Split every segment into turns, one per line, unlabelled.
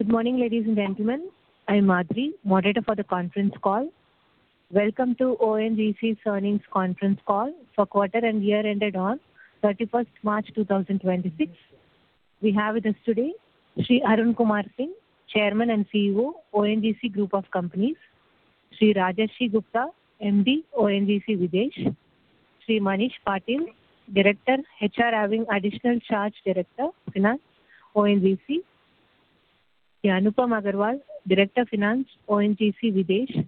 Good morning, ladies and gentlemen. I'm Madhuri, moderator for the conference call. Welcome to ONGC's earnings conference call for quarter and year ended on 31st March 2026. We have with us today Shri Arun Kumar Singh, Chairman and CEO, ONGC Group of Companies. Shri Rajarshi Gupta, Managing Director, ONGC Videsh. Shri Manish Patil, Director HR, having additional charge Director Finance, ONGC. Shri Anupam Agarwal, Director Finance, ONGC Videsh.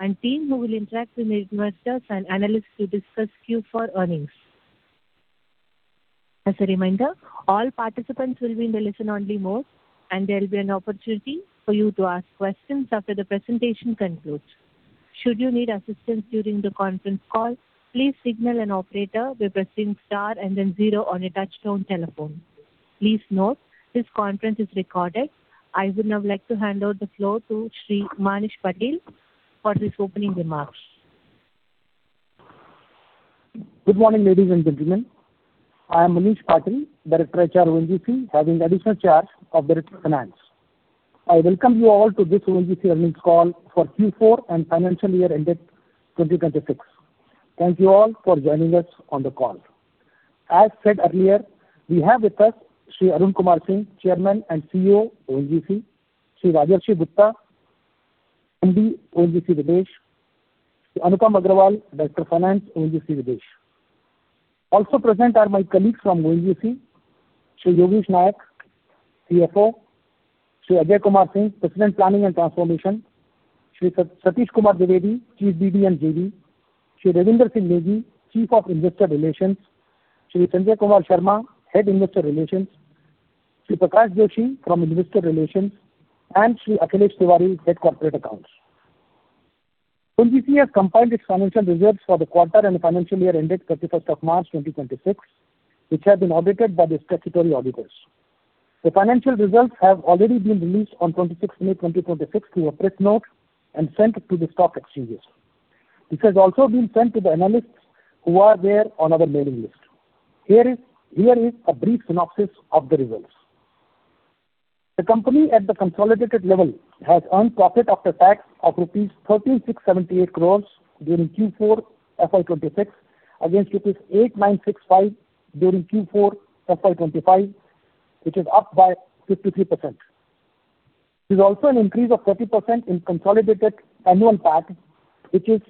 And team who will interact with investors and analysts to discuss Q4 earnings. As a reminder, all participants will be in the listen-only mode, and there will be an an opportunity for you to ask questions after the presentation concludes. Should you need assistance during the conference call, please signal an operator by pressing star and then zero on your touch-tone telephone. Please note, this conference is recorded. I would now like to hand over the floor to Shri Manish Patil for his opening remarks.
Good morning, ladies and gentlemen. I am Manish Patil, Director HR, ONGC, having additional charge of Director Finance. I welcome you all to this ONGC earnings call for Q4 and financial year ended 2026. Thank you all for joining us on the call. As said earlier, we have with us Shri Arun Kumar Singh, Chairman and CEO, ONGC. Shri Rajarshi Gupta, MD, ONGC Videsh. Shri Anupam Agarwal, Director Finance, ONGC Videsh. Also present are my colleagues from ONGC, Shri Yogish Nayak, CFO. Shri Ajay Kumar Singh, President, Planning and Transformation. Shri Satish Kumar Dwivedi, Chief BD & JV. Shri Ravinder Singh Negi, Chief of Investor Relations. Shri Sanjay Kumar Sharma, Head Investor Relations. Shri Prakash Joshi from Investor Relations, and Shri Akhilesh Tiwari, Head Corporate Accounts. ONGC has compiled its financial results for the quarter and financial year ended 31st of March 2026, which has been audited by the statutory auditors. The financial results have already been released on 26th May 2026 through a press note and sent to the stock exchanges. This has also been sent to the analysts who are there on our mailing list. Here is a brief synopsis of the results. The company at the consolidated level has earned profit after tax of rupees 3,678 crores during Q4 FY 2026, against rupees 8,965 during Q4 FY 2025, which is up by 53%. There's also an increase of 30% in consolidated annual PAT, which is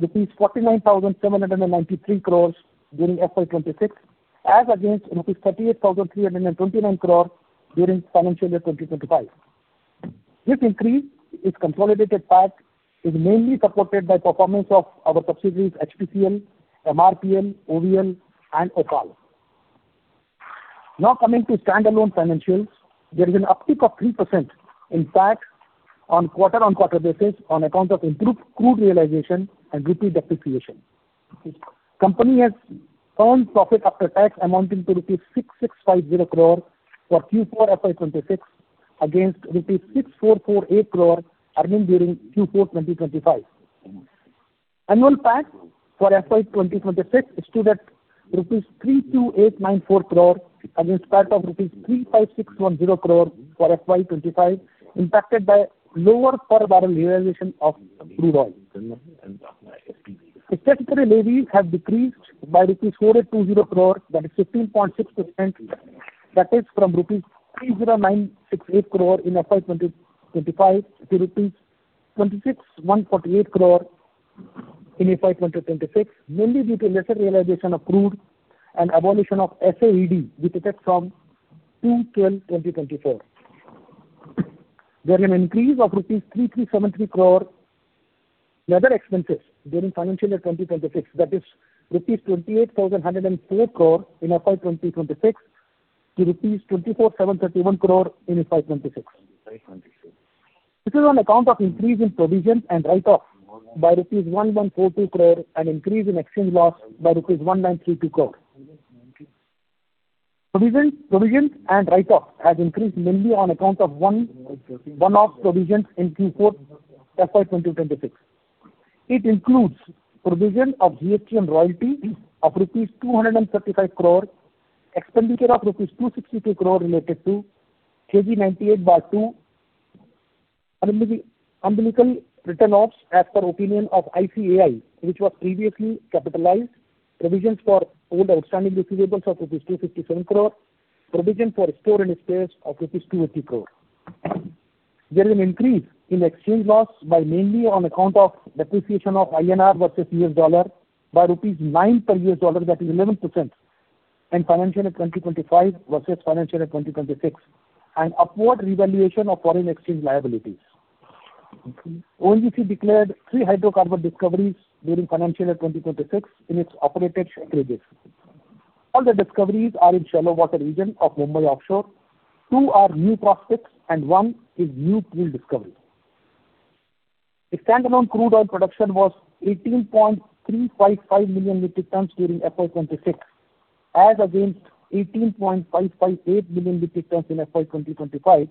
rupees 49,793 crores during FY 2026, as against rupees 38,329 crore during financial year 2025. This increase in consolidated PAT is mainly supported by performance of our subsidiaries HPCL, MRPL, OVL, and OPaL. Now coming to standalone financials. There is an uptick of 3% in PAT on quarter-on-quarter basis on account of improved crude realization and rupee depreciation. Company has earned profit after tax amounting to rupees 6,650 crore for Q4 FY 2026 against rupees 6,448 crore earned during Q4 2025. Annual PAT for FY 2026 stood at rupees 32,894 crore against PAT of rupees 35,610 crore for FY 2025 impacted by lower per barrel realization of crude oil. The statutory levy has decreased by rupees 4,820 crore, that is 15.6%, that is from rupees 30,968 crore in FY 2025 to rupees 26,148 crore in FY 2026, mainly due to lesser realization of crude and abolition of SAED with effect from 02/12/2024. There is an increase of rupees 3,373 crore other expenses during financial year 2026, that is rupees 28,104 crore in FY 2026 to rupees 34,731 crore in FY 2026. This is on account of increase in provision and write-off by rupees 1,142 crore and increase in exchange loss by rupees 1,932 crore. Provisions and write-off has increased mainly on account of one-off provisions in Q4 FY 2026. It includes provision of GST and royalty of rupees 235 crore, expenditure of rupees 262 crore related to KG-DWN-98/2 umbilical written-offs as per opinion of ICAI, which was previously capitalized. Provisions for old outstanding receivables of rupees 257 crore. Provision for store and spares of rupees 280 crore. There is an increase in exchange loss by mainly on account of depreciation of INR versus U.S. dollar by rupees 9 per U.S. dollar, that is 11%, in financial year 2025 versus financial year 2026, and upward revaluation of foreign exchange liabilities. ONGC declared three hydrocarbon discoveries during financial year 2026 in its operated acreage. All the discoveries are in shallow water region of Mumbai offshore. Two are new prospects and one is new field discovery. The standalone crude oil production was 18.355 million metric tons during FY 2026, as against 18.558 million metric tons in FY 2025,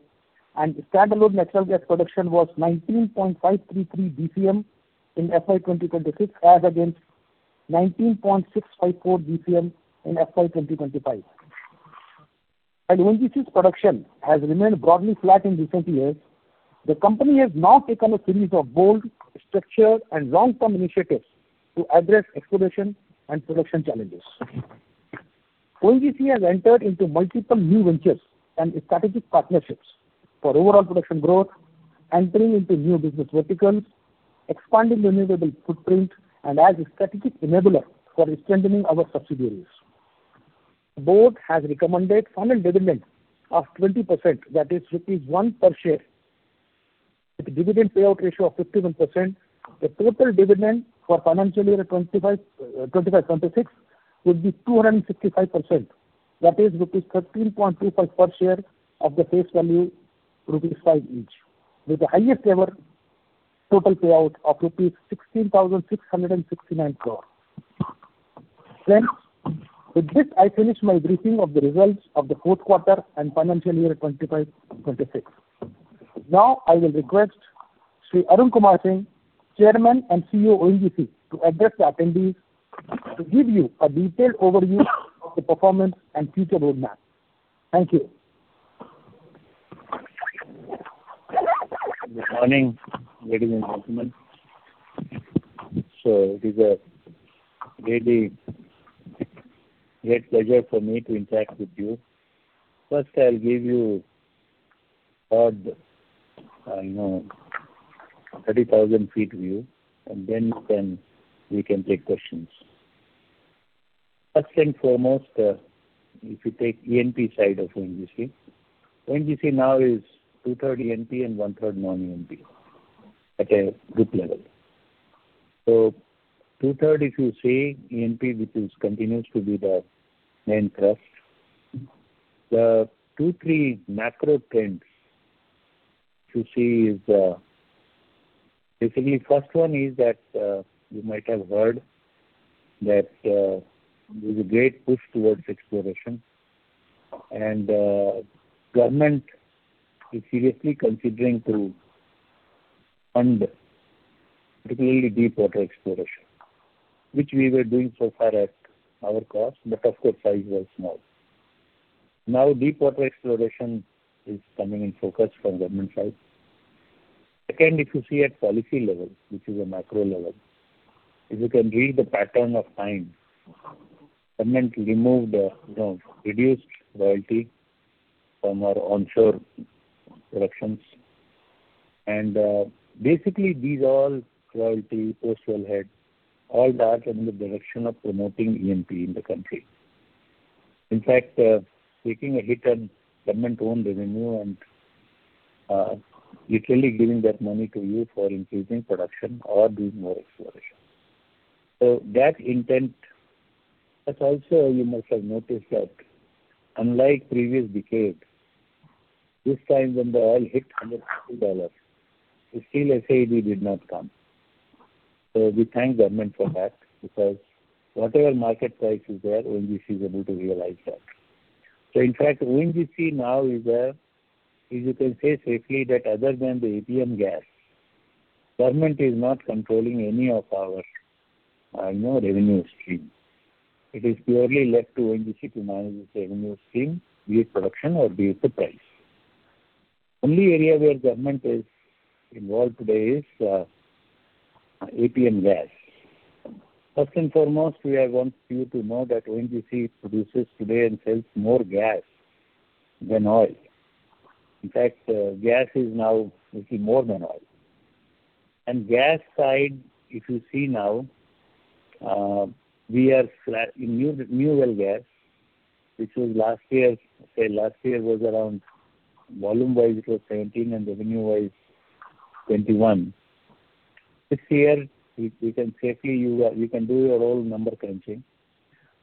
and the standalone natural gas production was 19.533 BCM in FY 2026 as against 19.654 BCM in FY 2025. ONGC's production has remained broadly flat in recent years, the company has now taken a series of bold, structured, and long-term initiatives to address exploration and production challenges. ONGC has entered into multiple new ventures and strategic partnerships for overall production growth, entering into new business verticals, expanding renewable footprint, and as a strategic enabler for strengthening our subsidiaries. Board has recommended final dividend of 20%, that is rupees 1 per share, with dividend payout ratio of 51%. The total dividend for financial year 2025-2026 would be 265%, that is rupees 13.25 per share of the face value rupees 5 each, with the highest ever total payout of rupees 16,669 crore. Friends, with this, I finish my briefing of the results of the fourth quarter and financial year 2025-2026. Now, I will request Shri Arun Kumar Singh, Chairman and CEO, ONGC, to address the attendees to give you a detailed overview of the performance and future roadmap. Thank you.
Good morning, ladies and gentlemen. It is a really great pleasure for me to interact with you. First, I'll give you a 30,000 ft view, and then we can take questions. First and foremost, if you take E&P side of ONGC now is 2/3 E&P and 1/3 non-E&P at a group level. Two-third, if you say, E&P, which continues to be the main thrust. The two, three macro trends to see is, basically, first one is that, you might have heard that there's a great push towards exploration, and government is seriously considering to fund, particularly deepwater exploration, which we were doing so far at our cost, but of course, size was small. Now, deepwater exploration is coming in focus from government side. Second, if you see at policy level, which is a macro level, if you can read the pattern of time, Government reduced royalty from our onshore productions. Basically, these all, royalty, post wellhead, all that are in the direction of promoting E&P in the country. In fact, taking a hit on Government own revenue and literally giving that money to you for increasing production or doing more exploration. That's also, you must have noticed that unlike previous decade, this time when the oil hit $140, still SAED did not come. We thank Government for that, because whatever market price is there, ONGC is able to realize that. In fact, ONGC now is a, if you can say safely, that other than the APM gas, Government is not controlling any of our revenue stream. It is purely left to ONGC to manage its revenue stream, be it production or be it the price. Only area where government is involved today is APM gas. First and foremost, we want you to know that ONGC produces today and sells more gas than oil. In fact, gas is now making more than oil. Gas side, if you see now, new well gas, last year was around volume wise it was 17 and revenue wise 21. This year, you can do your own number crunching.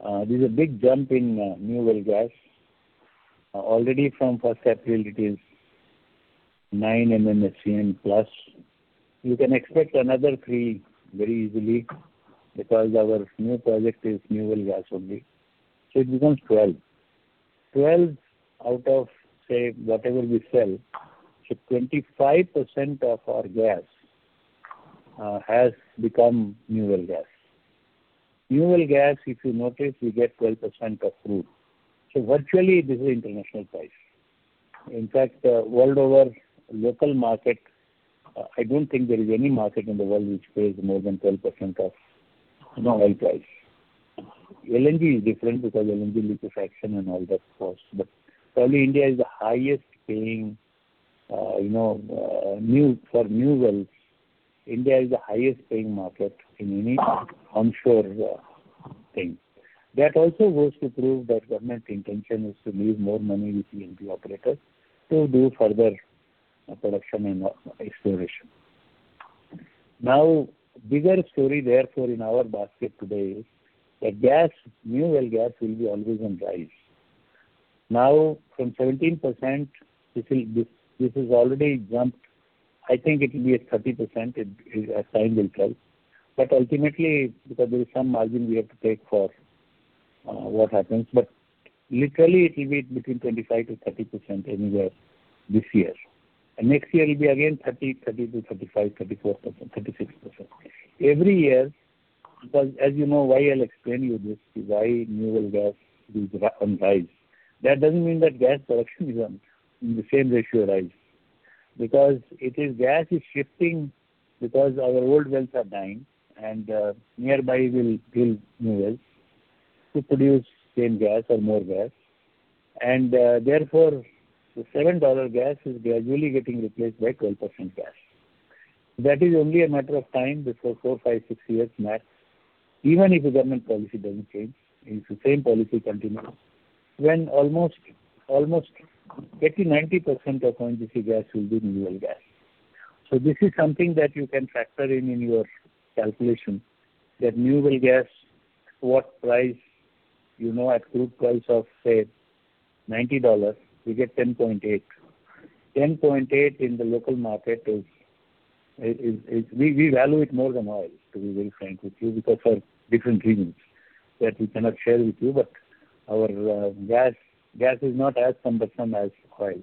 There's a big jump in new well gas. Already from April 1, it is 9+ MMSCMD. You can expect another three very easily because our new project is new well gas only. It becomes 12%. 12% out of, say, whatever we sell, 25% of our gas has become new well gas. New well gas, if you notice, you get 12% of crude. Virtually, this is international price. In fact, world over, local market, I don't think there is any market in the world which pays more than 12% of oil price. LNG is different because LNG liquefaction and all that cost. Probably, for new wells, India is the highest paying market in any onshore thing. That also goes to prove that government intention is to leave more money with the E&P operators to do further production and exploration. Bigger story, therefore, in our basket today is that new well gas will be always on rise. From 17%, this has already jumped. I think it will be at 30%, as time will tell. Ultimately, because there is some margin we have to take for what happens. Literally it will be between 25%-30% anywhere this year. Next year it will be again 30%, 32%, 35%, 34%, 36%. Every year, because as you know, why I'll explain you this, is why new well gas is on rise. That doesn't mean that gas production is on the same ratio rise. It is gas is shifting because our old wells are dying and nearby will drill new wells to produce same gas or more gas. Therefore, the $7 gas is gradually getting replaced by $12 gas. That is only a matter of time before four, five, six years max, even if the government policy doesn't change, if the same policy continues, when almost getting 90% of ONGC gas will be new well gas. This is something that you can factor in in your calculation, that new well gas, what price, at crude price of, say, $90, we get $10.8. $10.8 in the local market, we value it more than oil, to be very frank with you, because for different reasons that we cannot share with you, but our gas is not as cumbersome as oil.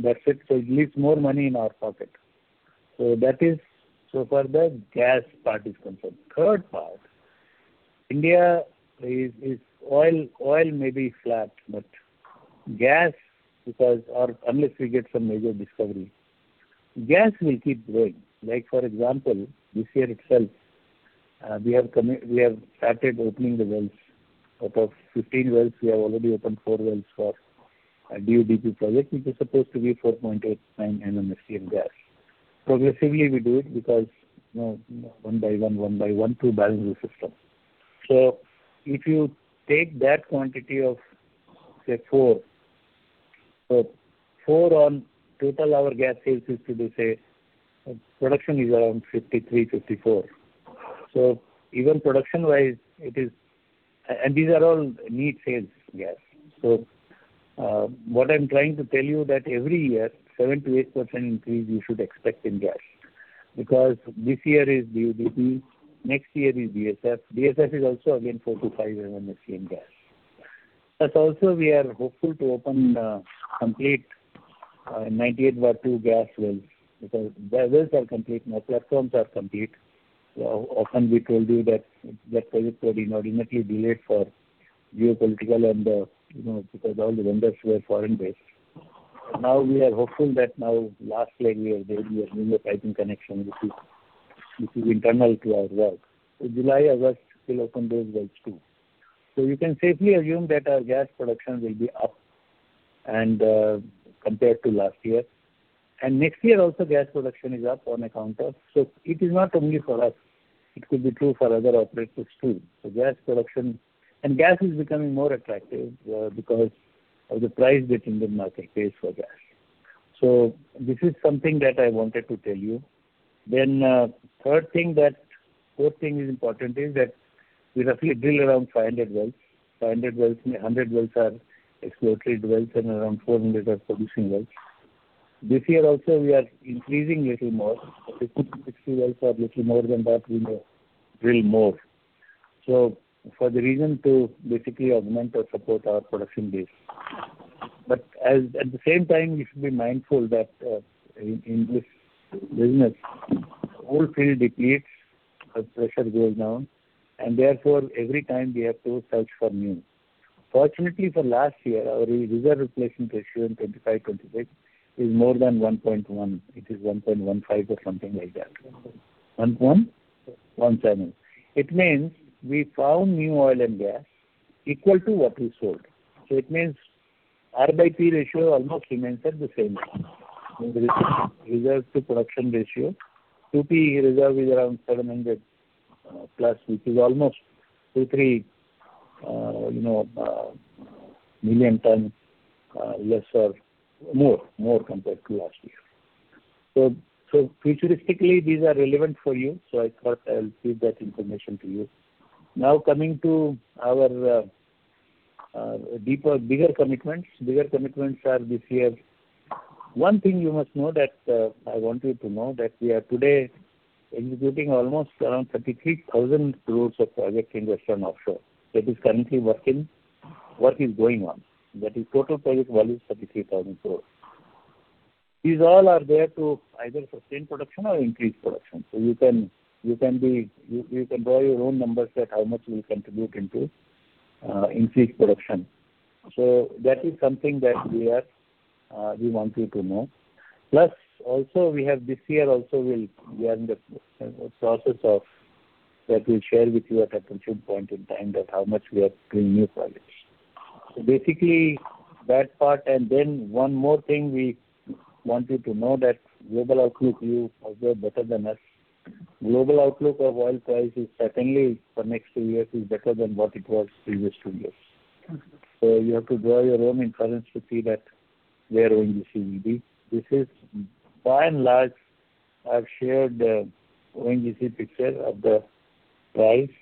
That's it. It leaves more money in our pocket. That is so far the gas part is concerned. Third part, India is oil may be flat, gas, because or unless we get some major discovery, gas will keep growing. Like for example, this year itself, we have started opening the wells. Out of 15 wells, we have already opened four wells for DUDP project, which is supposed to be 4.89 MMSCMD gas. Progressively, we do it because one by one to balance the system. If you take that quantity of, say, four. Four on total our gas sales is to be production is around 53, 54. Even production-wise, it is. These are all net sales gas. What I'm trying to tell you that every year, 7%-8% increase you should expect in gas. This year is DUDP, next year is DSF. DSF is also again 4-5 MMSCMD gas. We are hopeful to open complete 98-well two gas wells, because the wells are complete, now platforms are complete. Often we told you that project was inordinately delayed for geopolitical and because all the vendors were foreign-based. We are hopeful that now last leg we are doing a piping connection, which is internal to our well. July, August, we'll open those wells too. You can safely assume that our gas production will be up compared to last year. Next year also, gas production is up on account of. It is not only for us, it could be true for other operators too. Gas is becoming more attractive because of the price which Indian market pays for gas. This is something that I wanted to tell you. Fourth thing is important is that we roughly drill around 500 wells. 500 wells means 100 wells are exploratory wells and around 400 are producing wells. This year also, we are increasing little more, 50 to 60 wells or little more than that, we may drill more. For the reason to basically augment or support our production base. At the same time, we should be mindful that in this business, old field depletes, the pressure goes down, and therefore, every time we have to search for new. Fortunately, for last year, our reserve replacement ratio in 2025-2026 is more than 1.1. It is 1.15 or something like that.
1.1?
1.17. It means we found new oil and gas equal to what we sold. It means R/P ratio almost remains at the same. Means the reserves to production ratio. 2P reserves is around 700+, which is almost two, three, million tons more compared to last year. Futuristically, these are relevant for you, so I thought I'll give that information to you. Coming to our deeper, bigger commitments. Bigger commitments are this year. One thing you must know that, I want you to know that we are today executing almost around 33,000 crores of project investment offshore. That is currently working. Work is going on. That is total project value is 33,000 crores. These all are there to either sustain production or increase production. You can draw your own numbers that how much we contribute into increased production. That is something that we want you to know. We have this year also we are in the process of, that we'll share with you at appropriate point in time that how much we are doing new projects. That part and then one more thing we want you to know that global outlook view also better than us. Global outlook of oil price is certainly for next three years is better than what it was previous two years. You have to draw your own inference to see that where ONGC will be. This is by and large, I've shared the ONGC picture of the price.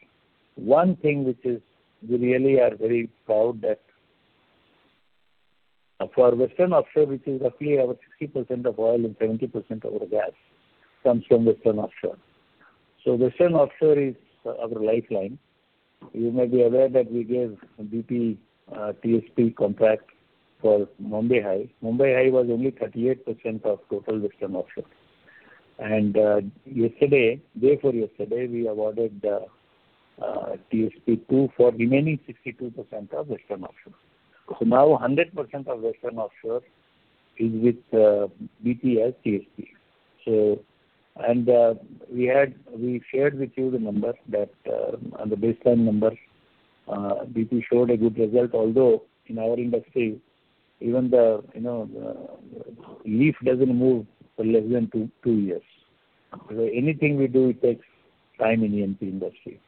One thing which is we really are very proud that. For Western Offshore, which is roughly our 60% of oil and 70% of our gas comes from Western Offshore. Western Offshore is our lifeline. You may be aware that we gave BP TSP contract for Mumbai High. Mumbai High was only 38% of total Western offshore. Day before yesterday, we awarded TSP 2 for remaining 62% of Western offshore. Now 100% of Western offshore is with BP as TSP. We shared with you the baseline numbers. BP showed a good result, although in our industry, even the leaf doesn't move for less than two years. Anything we do, it takes time in E&P industry.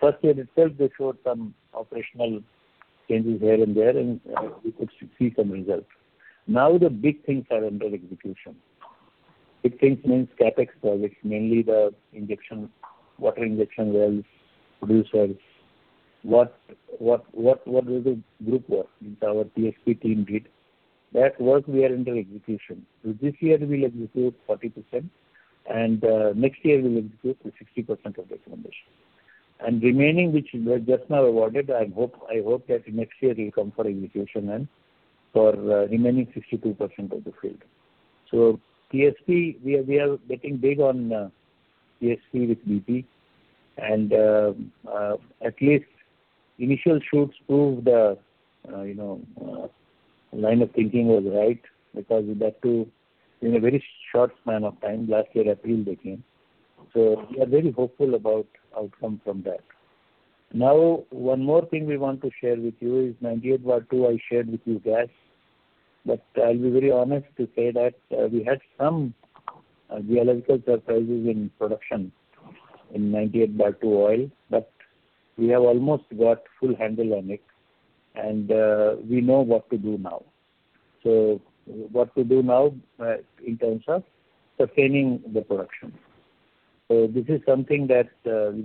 First year itself, they showed some operational changes here and there, and we could see some results. The big things are under execution. Big things means CapEx projects, mainly the water injection wells, producer wells. What the group work our TSP team did, that work we are under execution. This year we will execute 40%, and next year we will execute the 60% of recommendation. Remaining, which we have just now awarded, I hope that next year will come for execution and for remaining 62% of the field. TSP, we are betting big on TSP with BP, and at least initial shoots proved the line of thinking was right because that too, in a very short span of time, last year April they came. We are very hopeful about outcome from that. Now, one more thing we want to share with you is 98/2, I shared with you guys, but I'll be very honest to say that we had some geological surprises in production in 98/2 oil, but we have almost got full handle on it, and we know what to do now. What to do now in terms of sustaining the production. This is something that yesterday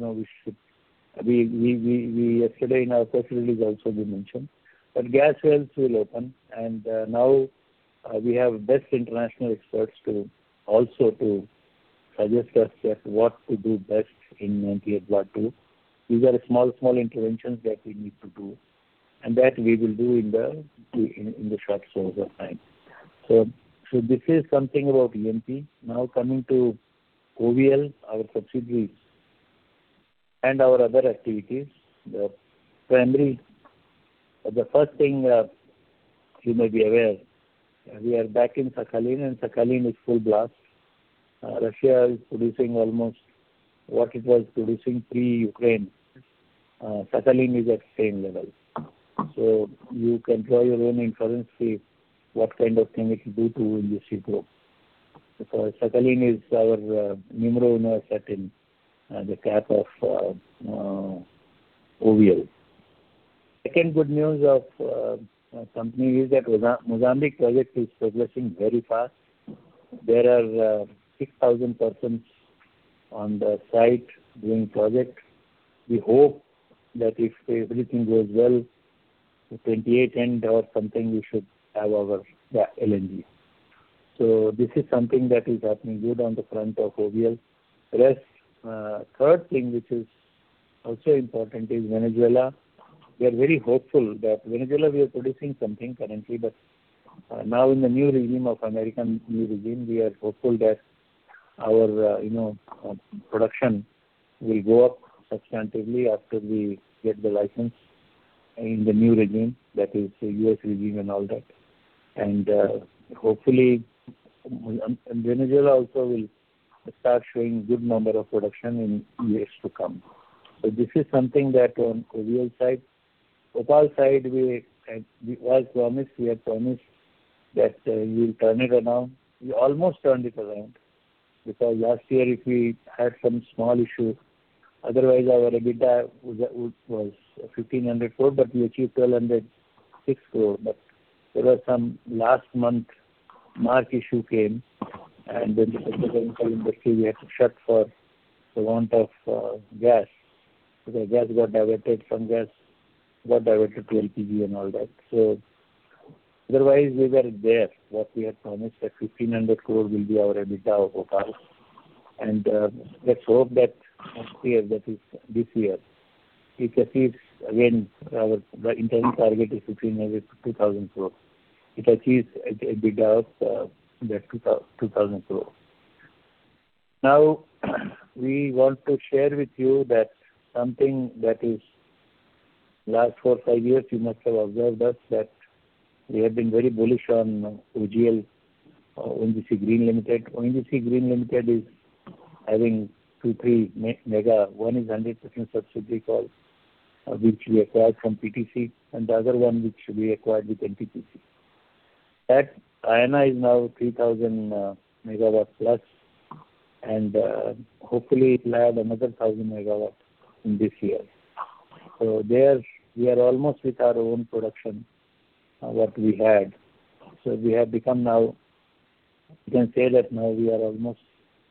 in our press release also we mentioned, but gas wells will open, and now we have best international experts also to suggest us that what to do best in 98/2. These are small interventions that we need to do, and that we will do in the shortest possible time. This is something about E&P. Now coming to OVL, our subsidiaries, and our other activities. The first thing you may be aware, we are back in Sakhalin, and Sakhalin is full blast. Russia is producing almost what it was producing pre-Ukraine. Sakhalin is at same level. You can draw your own inference to what kind of thing it will do to ONGC Group. Because Sakhalin is our numero uno asset in the cap of OVL. Second good news of company is that Mozambique project is progressing very fast. There are 6,000 persons on the site doing project. We hope that if everything goes well, 2028 end or something, we should have our LNG. This is something that is happening good on the front of OVL. Third thing, which is also important, is Venezuela. We are very hopeful that Venezuela, we are producing something currently, but now in the new regime of American new regime, we are hopeful that our production will go up substantively after we get the license in the new regime, that is U.S. regime and all that. Hopefully, Venezuela also will start showing good number of production in years to come. This is something that on OVL side. OPaL side, as promised, we had promised that we will turn it around. We almost turned it around because last year if we had some small issue, otherwise our EBITDA was 1,500 crore, but we achieved 1,206 crore. There was some last month, March issue came, then the fertilizer and chemical industry, we had to shut for want of gas, because gas got diverted to LPG and all that. Otherwise, we were there. What we had promised, that 1,500 crore will be our EBITDA of OPaL. Let's hope that next year, that is this year, it achieves again, our internal target is 1,500 crore-2,000 crore. It achieves EBITDA of that 2,000 crore. Now we want to share with you that something that is last four, five years, you must have observed us that we have been very bullish on OGL, ONGC Green Limited. ONGC Green Limited is having two, three mega. One is 100% subsidiary called, which we acquired from PTC, and the other one which we acquired with NTPC. That is now 3,000+ MW, and hopefully it will add another 1,000 MW in this year. There, we are almost with our own production, what we had. We have become now you can say that we are almost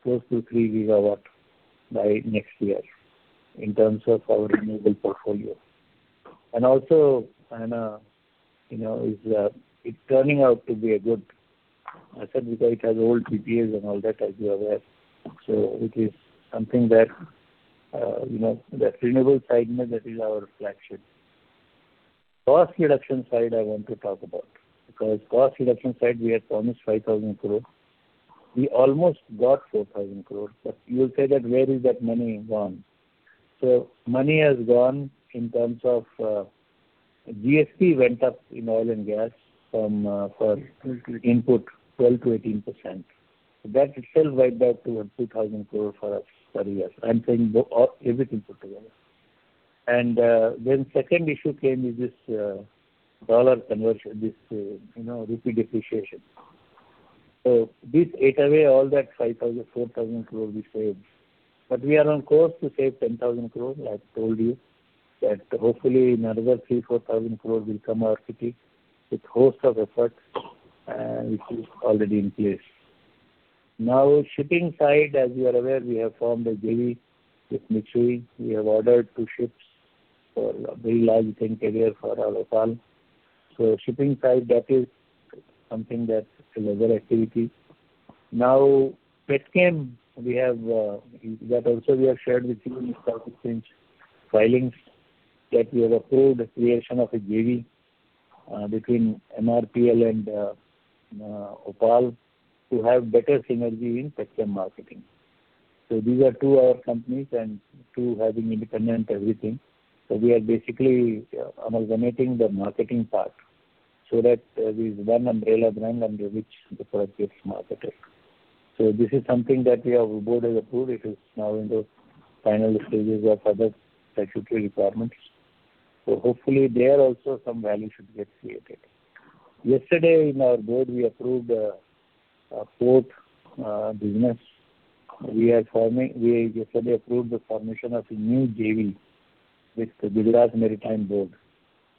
close to 3 GW by next year in terms of our renewable portfolio. Also, Ayana, it's turning out to be a good asset because it has old PPAs and all that, as you are aware. It is something that, the renewable segment, that is our flagship. Cost reduction side, I want to talk about, because cost reduction side, we had promised 5,000 crore. We almost got 4,000 crore, but you'll say that where is that money gone? Money has gone in terms of, GST went up in oil and gas for input 12%-18%. That itself wiped out around 2,000 crore for a year. I'm saying everything put together. Second issue came with this dollar conversion, this rupee depreciation. This ate away all that 4,000 crore we saved. We are on course to save 10,000 crore, like I told you. That hopefully another 3,000 crore, 4,000 crore will come our kitty with host of efforts, and it is already in place. Shipping side, as you are aware, we have formed a JV with Mitsui. We have ordered two ships for very large integrated for our OPaL. Shipping side, that is something that is another activity. Petchem, that also we have shared with you in stock exchange filings that we have approved the creation of a JV, between MRPL and OPaL to have better synergy in Petchem marketing. These are two other companies and two having independent everything. We are basically amalgamating the marketing part so that there's one umbrella brand under which the product gets marketed. This is something that our board has approved. It is now in the final stages of other statutory requirements. Hopefully there also some value should get created. Yesterday in our board, we approved a port business. We yesterday approved the formation of a new JV with the Gujarat Maritime Board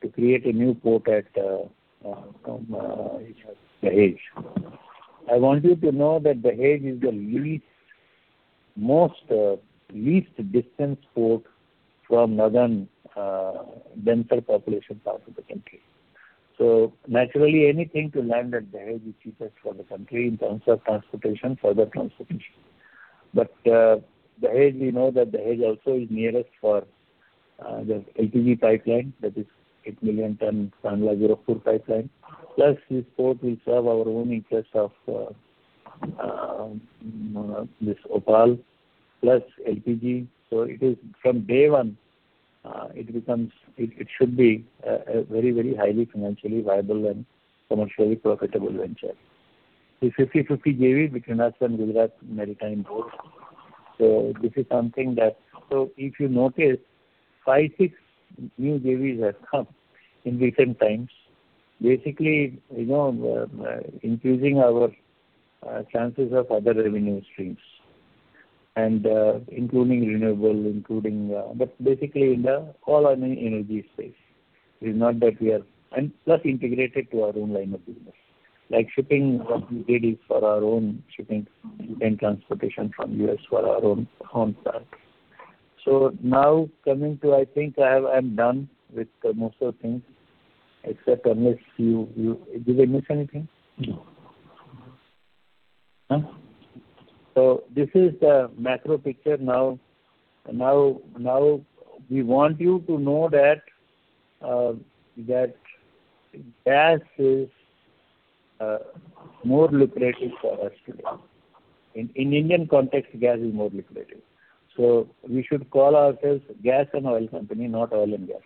to create a new port at Dahej. I want you to know that Dahej is the least distance port from northern, denser population part of the country. Naturally, anything to land at Dahej is cheapest for the country in terms of transportation, further transportation. Dahej, we know that Dahej also is nearest for the LPG pipeline, that is 8 million ton Jamnagar-Loni pipeline. Plus this port will serve our own interest of this OPaL plus LPG. From day one, it should be a very, very highly financially viable and commercially profitable venture. It's 50/50 JV between us and Gujarat Maritime Board. If you notice, five, six new JVs have come in recent times. Basically, increasing our chances of other revenue streams, and including renewable. Basically in the all-energy space. Plus integrated to our own line of business, like shipping, what we did is for our own shipping and transportation from U.S. for our own plant. Now coming to, I think I'm done with most of things except unless you. Did I miss anything?
No.
This is the macro picture. Now, we want you to know that gas is more lucrative for us today. In Indian context, gas is more lucrative. We should call ourselves gas and oil company, not oil and gas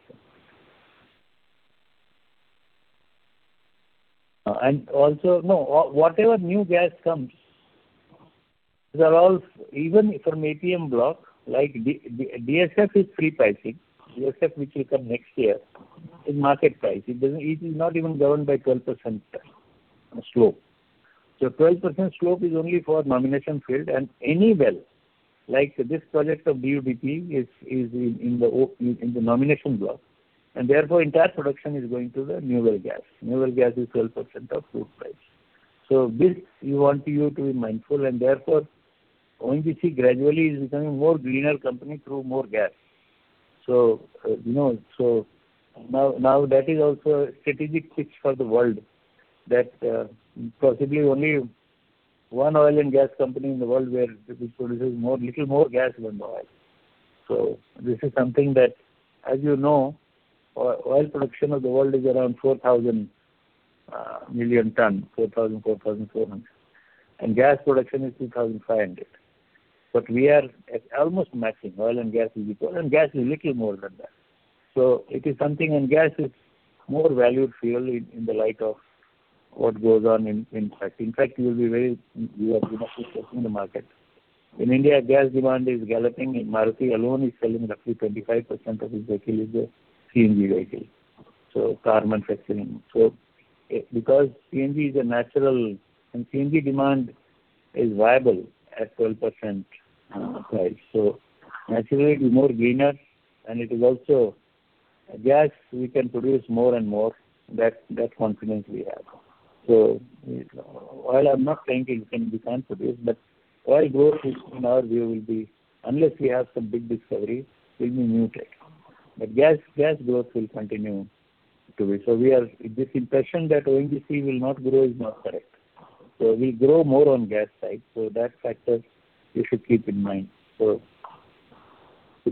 company. Also, now, whatever new gas comes, even from APM block, DSF is free pricing. DSF, which will come next year, is market price. It is not even governed by 12% slope. 12% slope is only for nomination field and any well, like this project of DUDP is in the nomination block, and therefore entire production is going to the new well gas. New well gas is 12% of slope price. This, we want you to be mindful, and therefore, ONGC gradually is becoming more greener company through more gas. Now that is also a strategic fix for the world, that possibly only one oil and gas company in the world which produces little more gas than the oil. This is something that, as you know, oil production of the world is around 4,000 million ton, 4,000 million, 4,400 million. Gas production is 2,500 million. We are at almost matching. Oil and gas is equal, and gas is little more than that. It is something, and gas is more valued fuel in the light of what goes on in fact. In fact, you must be watching the market. In India, gas demand is galloping. Maruti alone is selling roughly 25% of its vehicle is a CNG vehicle. Car manufacturing. Because CNG is a natural, and CNG demand is viable at 12% price, naturally it is more greener, and it is also gas, we can produce more and more. That confidence we have. Oil, I'm not saying it can be contemplated, but oil growth, in our view, unless we have some big discovery, will be muted. Gas growth will continue to be. This impression that ONGC will not grow is not correct. We grow more on gas side. That factor you should keep in mind. With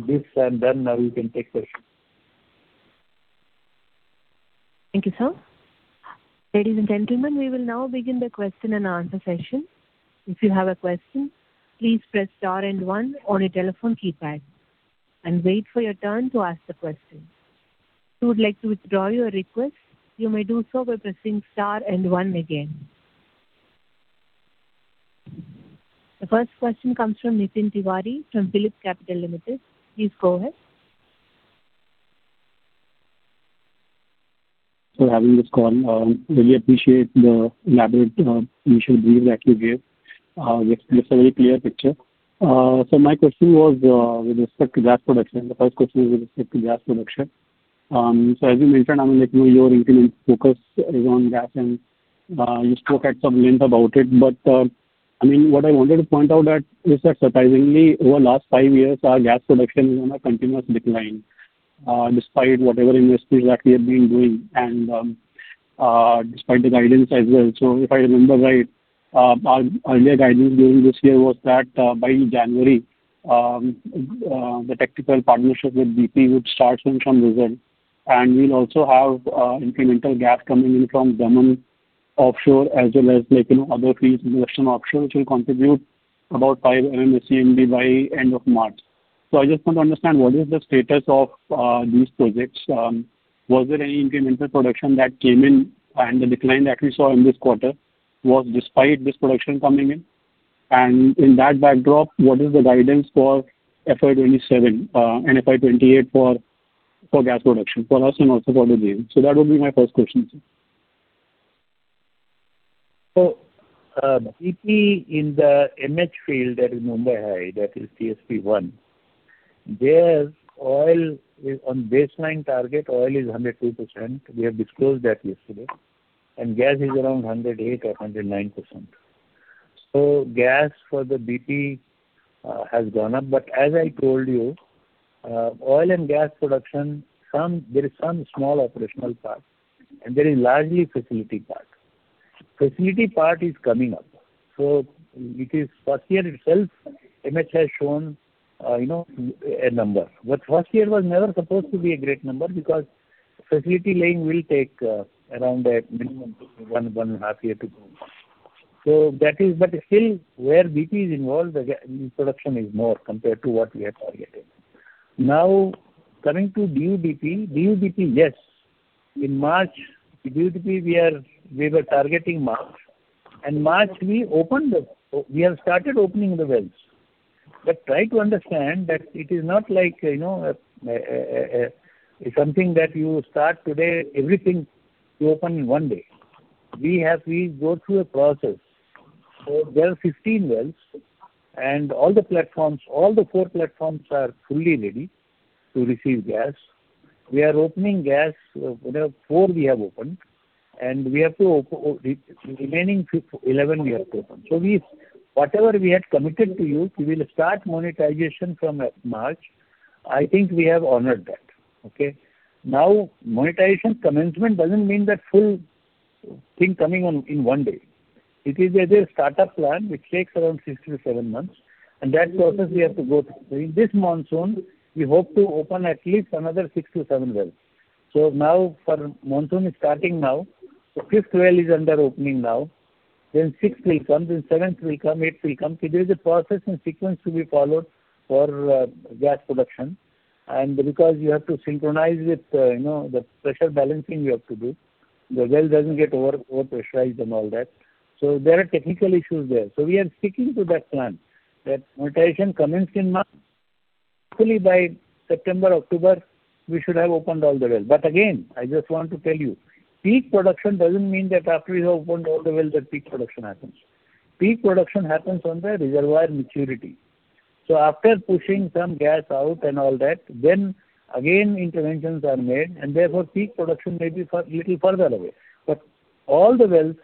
this, I'm done. Now we can take questions.
Thank you, sir. Ladies and gentlemen, we will now begin the question and answer session. If you have a question, please press star and one on your telephone keypad and wait for your turn to ask the question. If you would like to withdraw your request, you may do so by pressing star and one again. The first question comes from Nitin Tiwari from PhillipCapital Limited. Please go ahead.
Having this call, really appreciate the elaborate initial brief that you gave. Gives us a very clear picture. My question was with respect to gas production. The first question is with respect to gas production. As you mentioned, I mean, your incremental focus is on gas, and you spoke at some length about it. What I wanted to point out is that surprisingly, over the last five years, our gas production is on a continuous decline, despite whatever investments that we have been doing and despite the guidance as well. If I remember right, our earlier guidance during this year was that by January, the technical partnership with BP would start in some wells, and we'll also have incremental gas coming in from Daman offshore as well as other fields, production offshore, which will contribute about 5 MMSCMD by end of March. I just want to understand, what is the status of these projects? Was there any incremental production that came in, and the decline that we saw in this quarter was despite this production coming in? In that backdrop, what is the guidance for FY 2027 and FY 2028 for gas production for us and also for the year? That would be my first question, sir.
BP in the MH field, that is Mumbai High, that is TSP-1, there oil is on baseline target. Oil is 102%. We have disclosed that yesterday, and gas is around 108% or 109%. Gas for the BP has gone up. As I told you, oil and gas production, there is some small operational part, and there is largely facility part. Facility part is coming up. It is first year itself, MH has shown a number. First year was never supposed to be a great number because facility laying will take around a minimum one and a half year to go. Still, where BP is involved, the production is more compared to what we are targeting. Coming to DUDP. DUDP. Yes. In March, DUDP, we were targeting March, and March we have started opening the wells. Try to understand that it is not like something that you start today, everything to open in one day. We go through a process. There are 15 wells, and all the four platforms are fully ready to receive gas. We are opening gas. Four we have opened, and the remaining 11 we have to open. Whatever we had committed to you, we will start monetization from March. I think we have honored that. Okay? Monetization commencement doesn't mean that full thing coming in one day. It is a startup plan, which takes around six to seven months, and that process we have to go through. In this monsoon, we hope to open at least another six to seven wells. Monsoon is starting now. The fifth well is under opening now. Sixth will come, then seventh will come, eighth will come. There is a process and sequence to be followed for gas production. Because you have to synchronize with the pressure balancing you have to do. The well doesn't get over pressurized and all that. There are technical issues there. We are sticking to that plan, that monetization commenced in March. Hopefully, by September, October, we should have opened all the wells. Again, I just want to tell you, peak production doesn't mean that after we have opened all the wells, that peak production happens. Peak production happens on the reservoir maturity. After pushing some gas out and all that, then again, interventions are made, and therefore peak production may be a little further away. All the wells,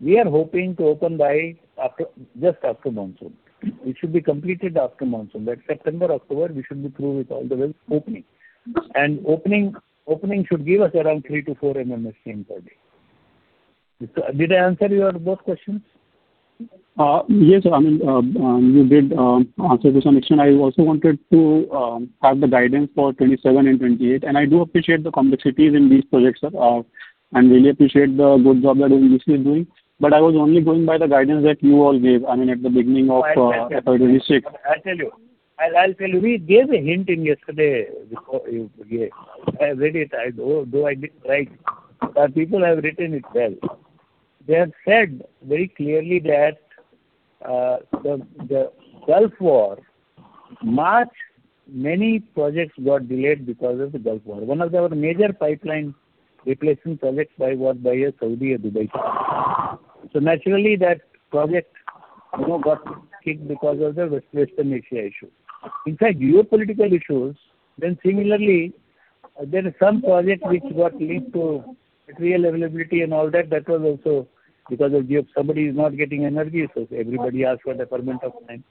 we are hoping to open by just after monsoon. It should be completed after monsoon. By September, October, we should be through with all the wells opening. Opening should give us around 3-4 MMSCM per day. Did I answer your both questions?
Yes, you did answer this one. Actually, I also wanted to have the guidance for 2027 and 2028. I do appreciate the complexities in these projects, sir, and really appreciate the good job that ONGC is doing. I was only going by the guidance that you all gave, I mean, at the beginning of FY 2026.
I'll tell you. We gave a hint in yesterday. I read it, though I didn't write, but people have written it well. They have said very clearly that the Gulf War, March, many projects got delayed because of the Gulf War. One of our major pipeline replacement projects was by a Saudi, a Dubai company. Naturally, that project, you know, got kicked because of the Western Asia issue. In fact, geopolitical issues. Similarly, there are some projects which got linked to material availability and all that. That was also because somebody is not getting energy, so everybody asked for deferment of time.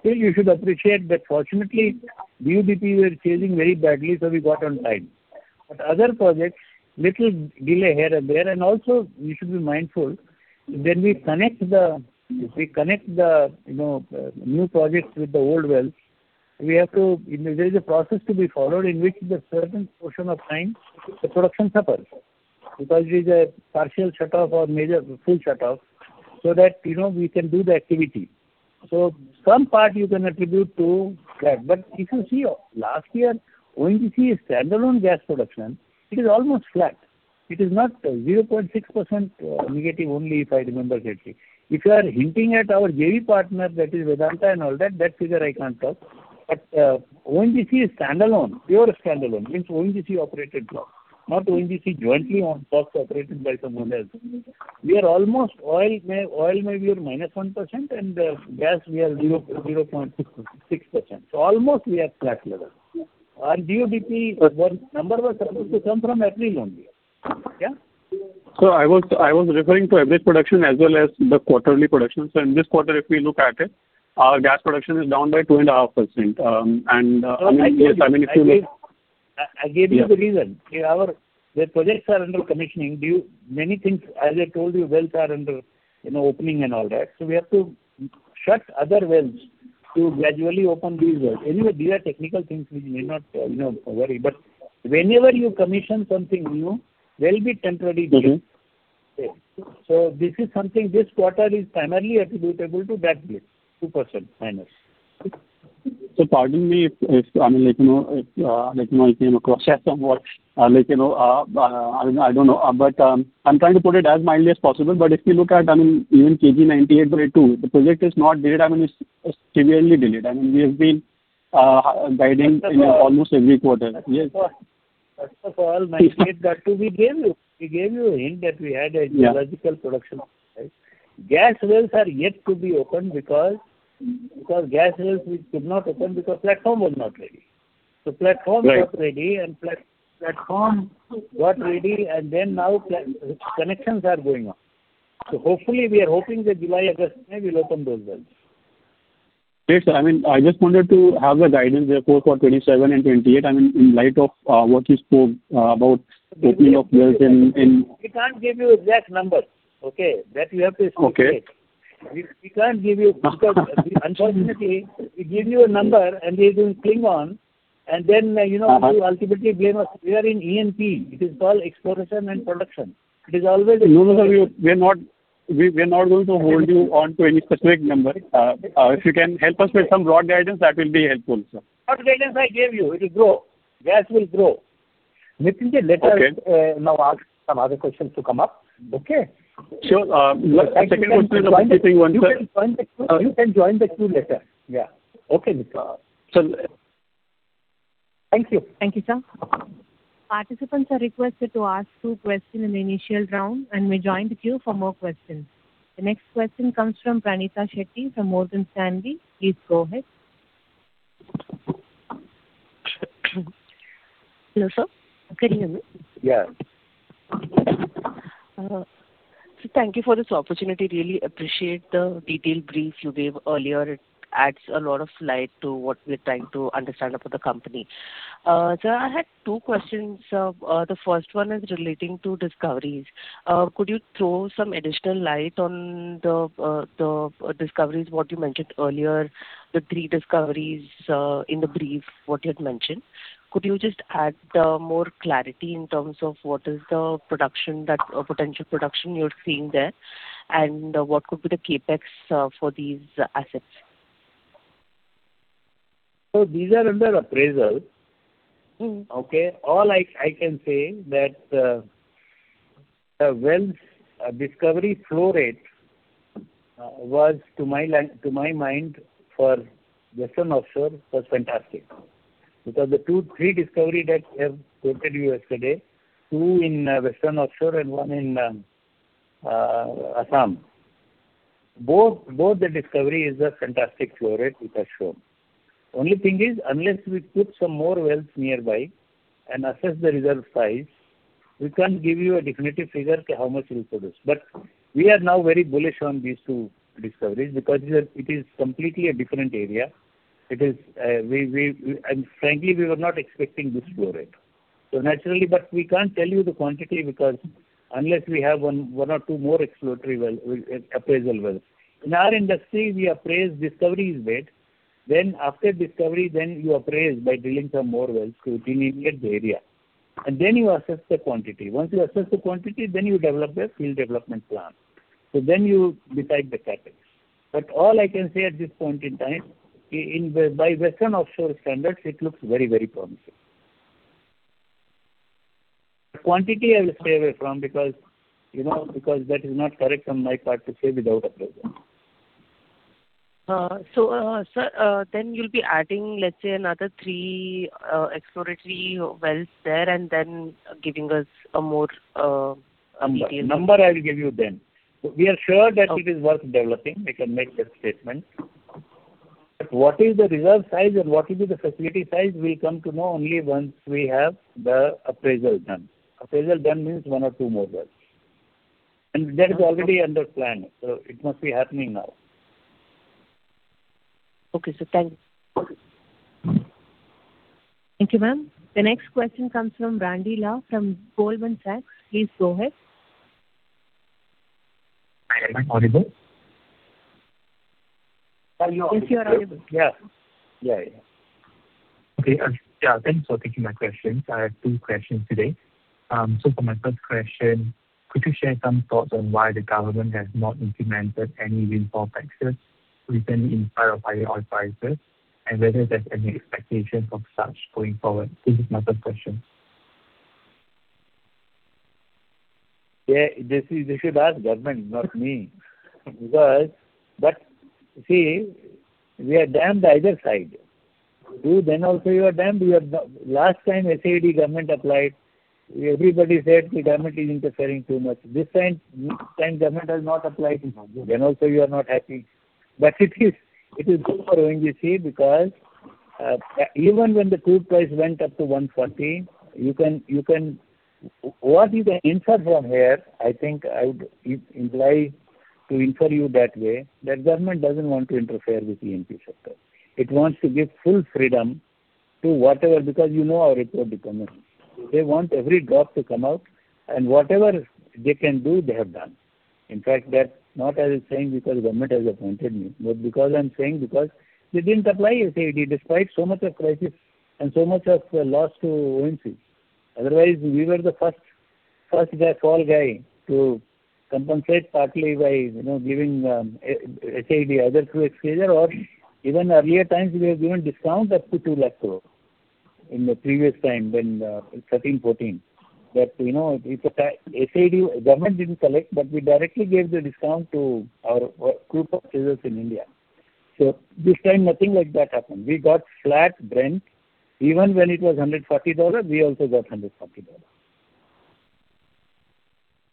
Still, you should appreciate that fortunately, DUDP were changing very badly, so we got on time. Other projects, little delay here and there. Also, we should be mindful, when we connect the new projects with the old wells, there is a process to be followed in which a certain portion of time, the production suffers, because it is a partial shutoff or full shutoff, so that we can do the activity. Some part you can attribute to that. If you see last year, ONGC standalone gas production, it is almost flat. It is not 0.6% negative only, if I remember correctly. If you are hinting at our JV partner, that is Vedanta and all that figure I can't talk. ONGC is standalone, pure standalone, means ONGC operated block, not ONGC jointly on blocks operated by someone else. Oil maybe we are -1% and gas we are 0.6%. Almost we are flat level. Our DUDP number was supposed to come from April only. Yeah?
Sir, I was referring to average production as well as the quarterly production. In this quarter, if we look at it, our gas production is down by 2.5%.
I gave you the reason. The projects are under commissioning. Many things, as I told you, wells are under opening and all that. We have to shut other wells to gradually open these wells. Anyway, these are technical things which may not worry. Whenever you commission something new, there will be temporary delay. This is something, this quarter is primarily attributable to that bit, 2% minus.
Sir, pardon me if it came across as somewhat, I don't know. I'm trying to put it as mildly as possible. If we look at even KG-DWN-98/2, the project is not delayed. I mean, it's severely delayed. I mean, we have been guiding in almost every quarter. Yes.
First of all, [Nitin] that too we gave you. We gave you a hint that we had a geological production. Right? Gas wells are yet to be opened because gas wells we could not open because platform was not ready.
Right.
Got ready, then now connections are going on. Hopefully, we are hoping that July, August, we'll open those wells.
Yes, sir. I just wanted to have the guidance, therefore, for 2027 and 2028, in light of what you spoke about opening of wells in?
We can't give you exact numbers. Okay? That you have to appreciate.
Okay.
We can't give you because unfortunately, we give you a number, and we will cling on, and then you ultimately blame us. We are in E&P. It is called exploration and production.
No, sir. We are not going to hold you on to any specific number. If you can help us with some broad guidance, that will be helpful, sir.
What guidance I gave you. It will grow. Gas will grow. Mridul, let now ask some other questions to come up. Okay?
Sure. Second question.
You can join the queue later. Yeah.
Okay, sir.
Thank you.
Thank you, sir. Participants are requested to ask two questions in the initial round and may join the queue for more questions. The next question comes from Pranita Shetty from Morgan Stanley. Please go ahead.
Hello, sir. Could you hear me?
Yeah.
Sir, thank you for this opportunity. Really appreciate the detailed brief you gave earlier. It adds a lot of light to what we're trying to understand about the company. Sir, I had two questions. The first one is relating to discoveries. Could you throw some additional light on the discoveries what you mentioned earlier, the three discoveries in the brief what you had mentioned? Could you just add more clarity in terms of what is the potential production you're seeing there, and what could be the CapEx for these assets?
These are under appraisal. Okay. All I can say that the wells discovery flow rate, was to my mind, for western offshore, was fantastic. The three discovery that we have quoted you yesterday, two in western offshore and one in Assam, both the discovery is a fantastic flow rate, it has shown. Only thing is, unless we put some more wells nearby and assess the reserve size, we can't give you a definitive figure to how much we produce. We are now very bullish on these two discoveries because it is completely a different area. Frankly, we were not expecting this flow rate. Naturally, but we can't tell you the quantity because unless we have one or two more appraisal wells. In our industry, we appraise discoveries made. After discovery, then you appraise by drilling some more wells to delineate the area. Then you assess the quantity. Once you assess the quantity, you develop a field development plan. You decide the CapEx. All I can say at this point in time, by Western offshore standards, it looks very promising. The quantity I will stay away from because that is not correct on my part to say without appraisal.
Sir, you'll be adding, let's say, another three exploratory wells there and giving us a more detailed.
Number I will give you. We are sure that it is worth developing, we can make that statement. What is the reserve size and what will be the facility size, we'll come to know only once we have the appraisal done. Appraisal done means one or two more wells. That is already under plan, it must be happening now.
Okay, sir. Thank you.
Thank you, ma'am. The next question comes from Randy Lau from Goldman Sachs. Please go ahead.
Am I audible?
Sir, you are.
Yes, you are audible.
Yeah.
Okay. Yeah, thanks for taking my questions. I have two questions today. For my first question, could you share some thoughts on why the government has not implemented any windfall taxes recently in spite of higher oil prices, and whether there is any expectations of such going forward? This is my first question.
You should ask government, not me. See, we are damned either side. Last time SAD government applied, everybody said the government is interfering too much. This time government has not applied, also you are not happy. It is good for ONGC because even when the crude price went up to $140, what you can infer from here, I think I would like to infer you that way, that government doesn't want to interfere with E&P sector. It wants to give full freedom to whatever, because you know our record, they want every drop to come out, whatever they can do, they have done. In fact, that not as I saying because government has appointed me, but because I'm saying because they didn't apply SAD despite so much of crisis and so much of loss to ONGC. Otherwise, we were the first [gas call guy] to compensate partly by giving SAD other two expenditure, or even earlier times we have given discount up to 2 lakh crore in the previous time when 2013, 2014. Government didn't collect, but we directly gave the discount to our group of users in India. This time nothing like that happened. We got flat Brent. Even when it was $140, we also got $140.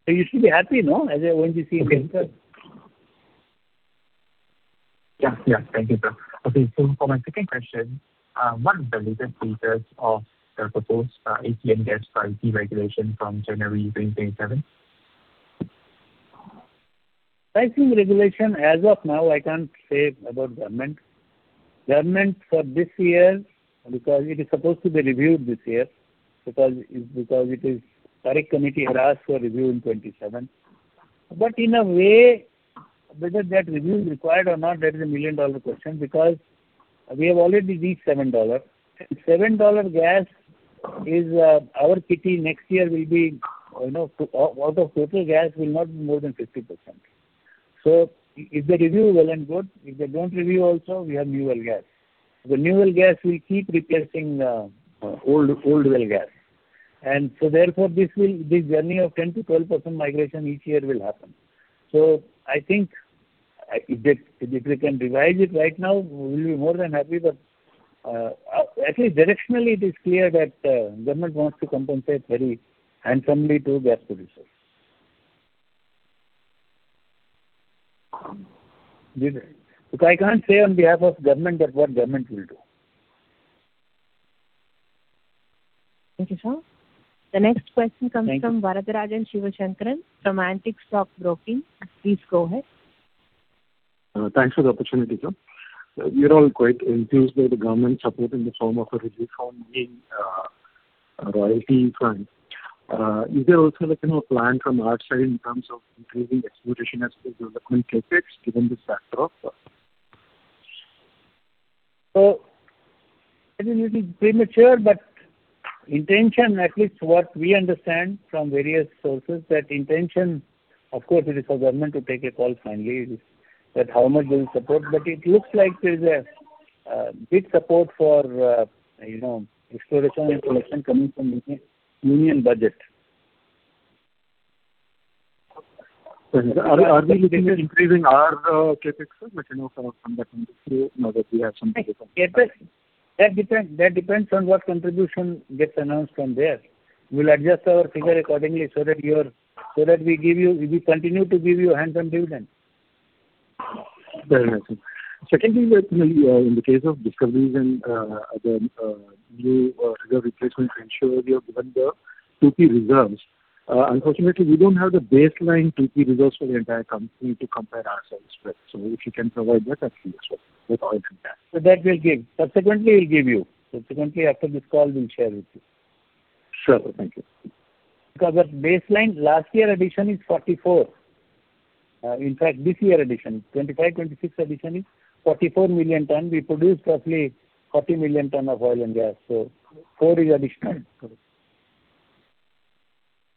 You should be happy, no? As an ONGC investor.
Yeah. Thank you, sir. Okay, for my second question, what are the recent features of the proposed APM gas pricing regulation from January 2027?
Pricing regulation as of now, I can't say about government. Government for this year, because it is supposed to be reviewed this year, because Kirit Parikh committee had asked for review in 2027. In a way, whether that review is required or not, that is a million-dollar question because we have already reached $7. $7 gas is our kitty next year will be out of total gas will not be more than 50%. If they review, well and good. If they don't review also, we have new well gas. The new well gas will keep replacing old well gas. Therefore, this journey of 10%-12% migration each year will happen. I think if we can revise it right now, we'll be more than happy, but at least directionally it is clear that government wants to compensate very handsomely to gas producers. Look, I can't say on behalf of government that what government will do.
Thank you, sir. The next question comes from Varatharajan Sivasankaran from Antique Stock Broking. Please go ahead.
Thanks for the opportunity, sir. We are all quite enthused by the government support in the form of a relief from the royalty front. Is there also a plan from our side in terms of increasing exploration as development CapEx given this backdrop, sir?
It is premature, but intention, at least what we understand from various sources, that intention, of course, it is for government to take a call finally, that how much they will support. It looks like there is a big support for exploration and production coming from the new union budget.
Are we looking at increasing our CapEx, sir?
That depends on what contribution gets announced from there. We'll adjust our figure accordingly so that we continue to give you handsome dividend.
Very nice, sir. Secondly, in the case of discoveries and other new reserve replacement to ensure we have given the 2P reserves. Unfortunately, we don't have the baseline 2P reserves for the entire company to compare ourselves with. If you can provide that'll be useful with oil and gas.
Subsequently, we'll give you. Subsequently, after this call, we'll share with you.
Sure. Thank you.
Our baseline last year addition is 44 million. In fact, this year addition, 2025, 2026 addition is 44 million ton. We produced roughly 40 million ton of oil and gas, four is additional.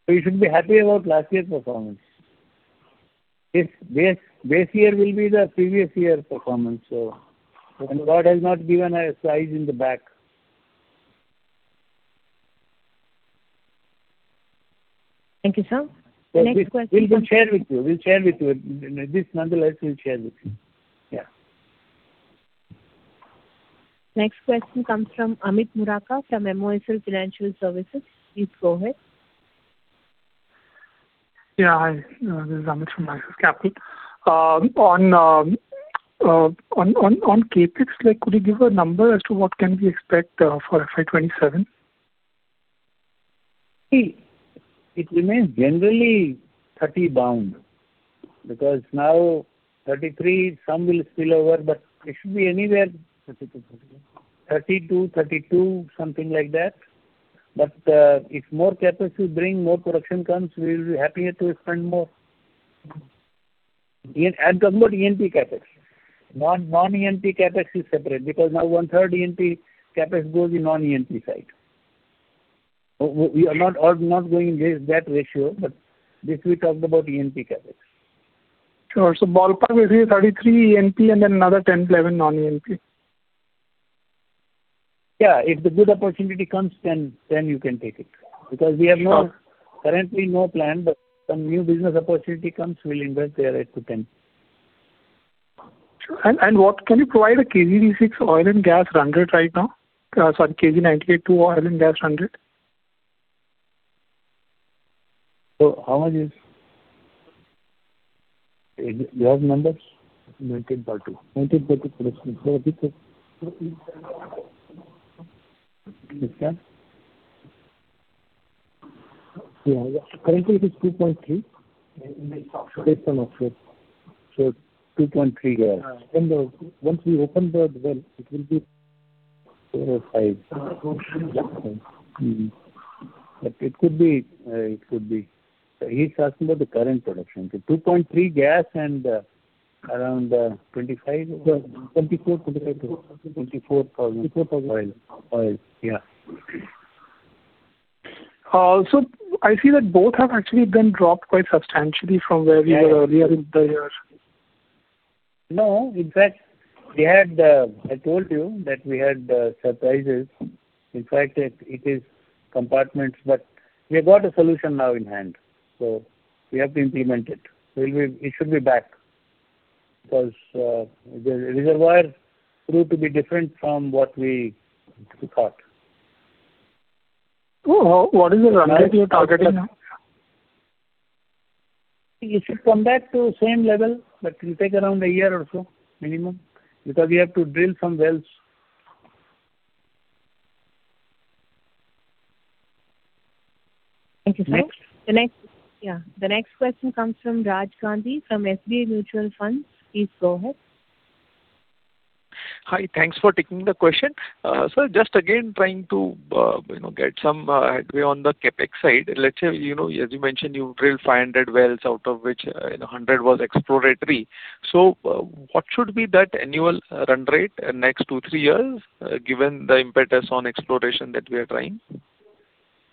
You should be happy about last year performance. Base year will be the previous year performance, so when God has not given a size in the back.
Thank you, sir. Next question.
We will share with you. This nonetheless, we'll share with you. Yeah.
Next question comes from Amit Murarka from MOSL Financial Services. Please go ahead.
Yeah. Hi, this is Amit from Axis Capital. On CapEx, could you give a number as to what can we expect for FY 2027?
See, it remains generally 30 bound, because now 33, some will spill over 32, 32, something like that. If more CapEx we bring, more production comes, we will be happier to spend more. I am talking about E&P CapEx. Non-E&P CapEx is separate, because now 1/3 E&P CapEx goes in non-E&P side. We are not going in that ratio, this we talked about E&P CapEx.
Sure. ballpark, we are saying 33 E&P and then another 10, 11 non-E&P.
Yeah. If the good opportunity comes, you can take it. We have currently no plan, but some new business opportunity comes, we'll invest there up to 10.
Sure. Can you provide a KG-DWN-98/2 oil and gas run rate right now? Sorry, KG-DWN-98/2 oil and gas run rate.
Do you have numbers?
19.2.
19.2. Yeah. Currently it is 2.3. Based on offshore.
2.3 gas.
Once we open the well. Four or five. Yeah. It could be. He's asking about the current production. 2.3 gas and around 25.
24,000.
24,000 oil. Oil. Yeah.
I see that both have actually then dropped quite substantially from where we were one year or two years.
No. In fact, I told you that we had surprises. In fact, it is compartments. We have got a solution now in hand. We have to implement it. It should be back, because the reservoir proved to be different from what we thought.
What is the run rate you're targeting now?
It should come back to same level, but it will take around a year or so minimum, because we have to drill some wells.
Thank you, sir. The next question comes from Raj Gandhi from SBI Mutual Fund. Please go ahead.
Hi. Thanks for taking the question. Sir, just again trying to get some headway on the CapEx side. As you mentioned, you drilled 500 wells, out of which 100 was exploratory. What should be that annual run rate next two, three years, given the impetus on exploration that we are trying?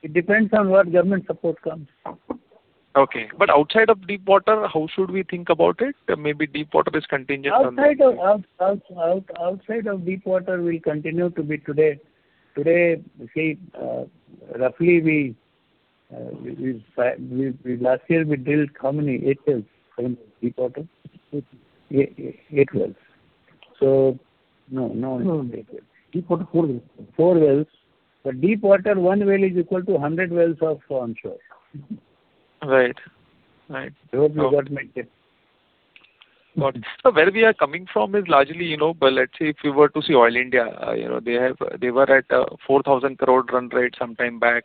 It depends on where government support comes.
Okay. Outside of deep water, how should we think about it? Maybe deep water is contingent on.
Outside of deep water will continue to be today. Last year, we drilled how many? Eight wells, I remember, deep water.
Eight.
Eight wells. No, it's not eight wells.
Deep water, four wells.
Four wells. Deep water, one well is equal to 100 wells of onshore.
Right.
That we have got maintain.
Where we are coming from is largely, let's say, if you were to see Oil India, they were at 4,000 crore run rate sometime back.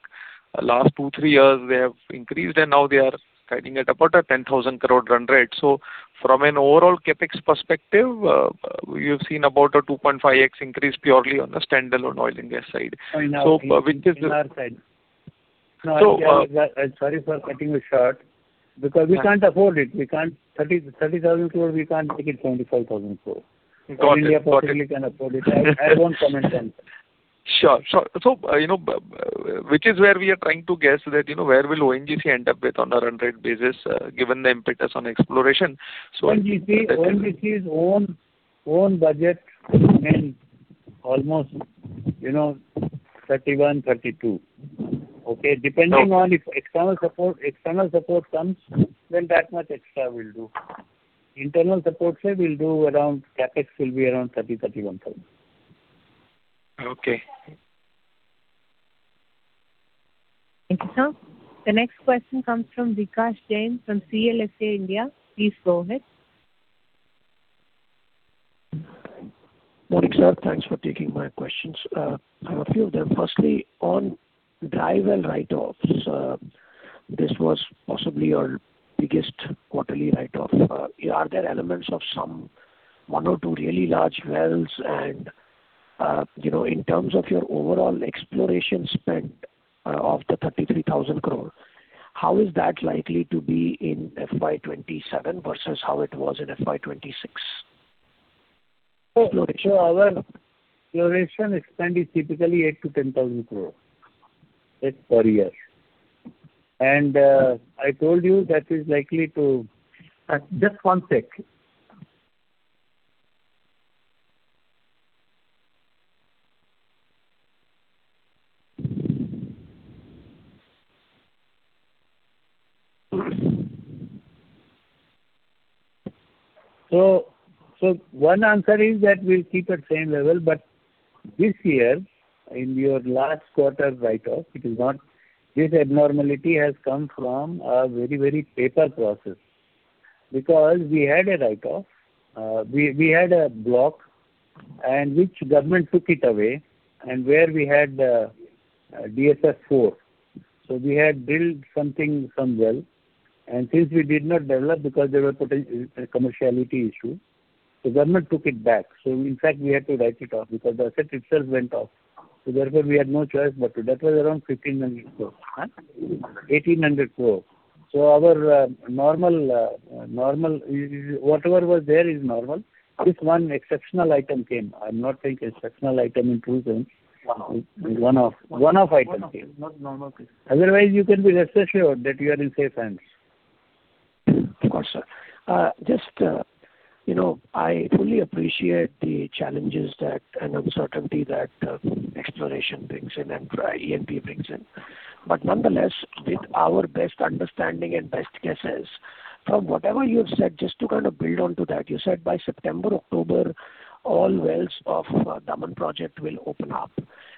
Last two, three years, they have increased, and now they are riding at about a 10,000 crore run rate. From an overall CapEx perspective, we have seen about a 2.5x increase purely on the standalone oil and gas side.
In our side. Sorry for cutting you short, because we can't afford it. 30,000 crore, we can't make it 25,000 crore. Oil India possibly can afford it. I won't comment then.
Sure. Which is where we are trying to guess that, where will ONGC end up with on a run rate basis, given the impetus on exploration.
ONGC's own budget remains almost 31,000 crore-32,000 crore. Okay. Depending on if external support comes, then that much extra we'll do. Internal support side, CapEx will be around 30,000 crore, 31,000 crore.
Okay.
Thank you, sir. The next question comes from Vikash Jain from CLSA India. Please go ahead.
Good morning, sir. Thanks for taking my questions. I have a few of them. Firstly, on dry well write-offs. This was possibly your biggest quarterly write-off. Are there elements of some one or two really large wells? In terms of your overall exploration spend of 33,000 crore, how is that likely to be in FY 2027 versus how it was in FY 2026?
Our exploration spend is typically 8,000 crore-10,000 crore per year. Just one sec. One answer is that we'll keep at same level, this year, in your last quarter write-off, it is not this abnormality has come from a very paper process. We had a write-off. We had a block, which government took it away, and where we had DSS4. We had drilled something, some well, and since we did not develop, because there were potential commerciality issue, the government took it back. In fact, we had to write it off because the asset itself went off. Therefore, we had no choice but to. That was around 1,500 crore. Huh. 1,800 crore. Our normal, whatever was there is normal. This one exceptional item came. I'm not saying exceptional item in true sense.
One-off.
One-off item came.
One-off. Not normal case.
Otherwise, you can be rest assured that you are in safe hands.
Of course, sir. I fully appreciate the challenges that, and uncertainty that exploration brings in and E&P brings in. Nonetheless, with our best understanding and best guesses, from whatever you have said, just to kind of build on to that, you said by September, October, all wells of Daman project will open up,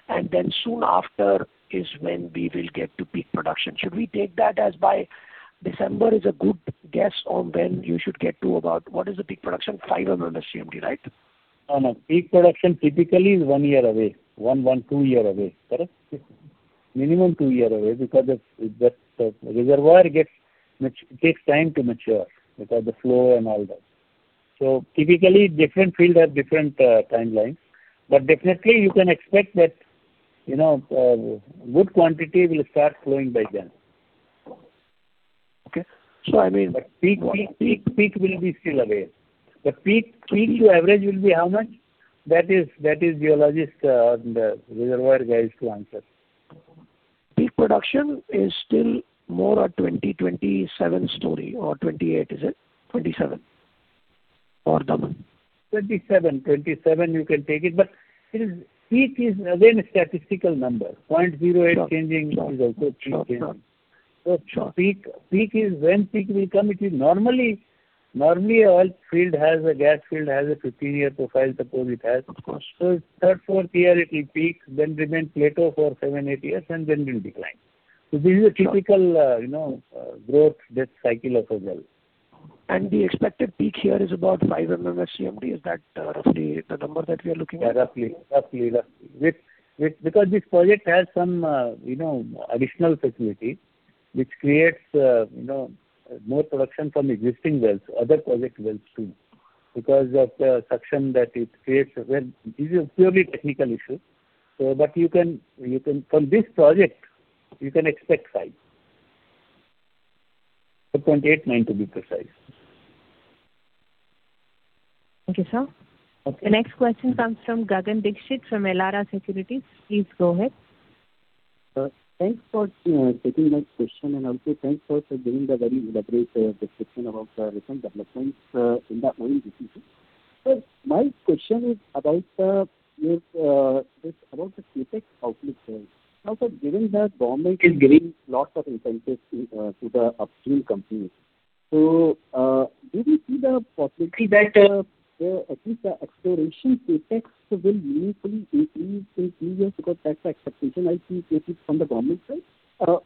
and then soon after is when we will get to peak production. Should we take that as by December is a good guess on when you should get to about, what is the peak production? 500 MMSCMD, right?
No. Peak production typically is one year away. One, two year away. Correct?
Yes.
Minimum two year away because the reservoir takes time to mature, because the flow and all that. Typically, different field have different timelines. Definitely you can expect that good quantity will start flowing by then.
Okay.
Peak will be still away. The peak to average will be how much? That is geologist and reservoir guys to answer.
Peak production is still more a 2027 story or 2028, is it? 27 for Daman.
27 you can take it, but peak is again a statistical number, 0.08.
Sure.
Is also peak changing.
Sure.
Peak, when peak will come, normally oil field has a gas field, has a 15-year profile, suppose it has.
Of course.
Third, fourth year it will peak, then remain plateau for seven, eight years, and then will decline. This is a typical growth, death cycle of a well.
The expected peak here is about 500 MMSCMD. Is that roughly the number that we are looking at?
Yeah, roughly. This project has some additional facility, which creates more production from existing wells, other project wells too, because of the suction that it creates. Well, this is a purely technical issue. From this project, you can expect five. 2028, 2029 to be precise.
Thank you, sir.
Okay.
The next question comes from Gagan Dixit from Elara Securities. Please go ahead.
Sir, thanks for taking my question, also thanks for giving the very elaborate description about the recent developments in that meeting this week. Sir, my question is about the CapEx outlook. Sir, given that government is giving lots of incentives to the upstream companies, do we see the possibility that at least the exploration CapEx will meaningfully increase in few years because that's the expectation I see created from the government side?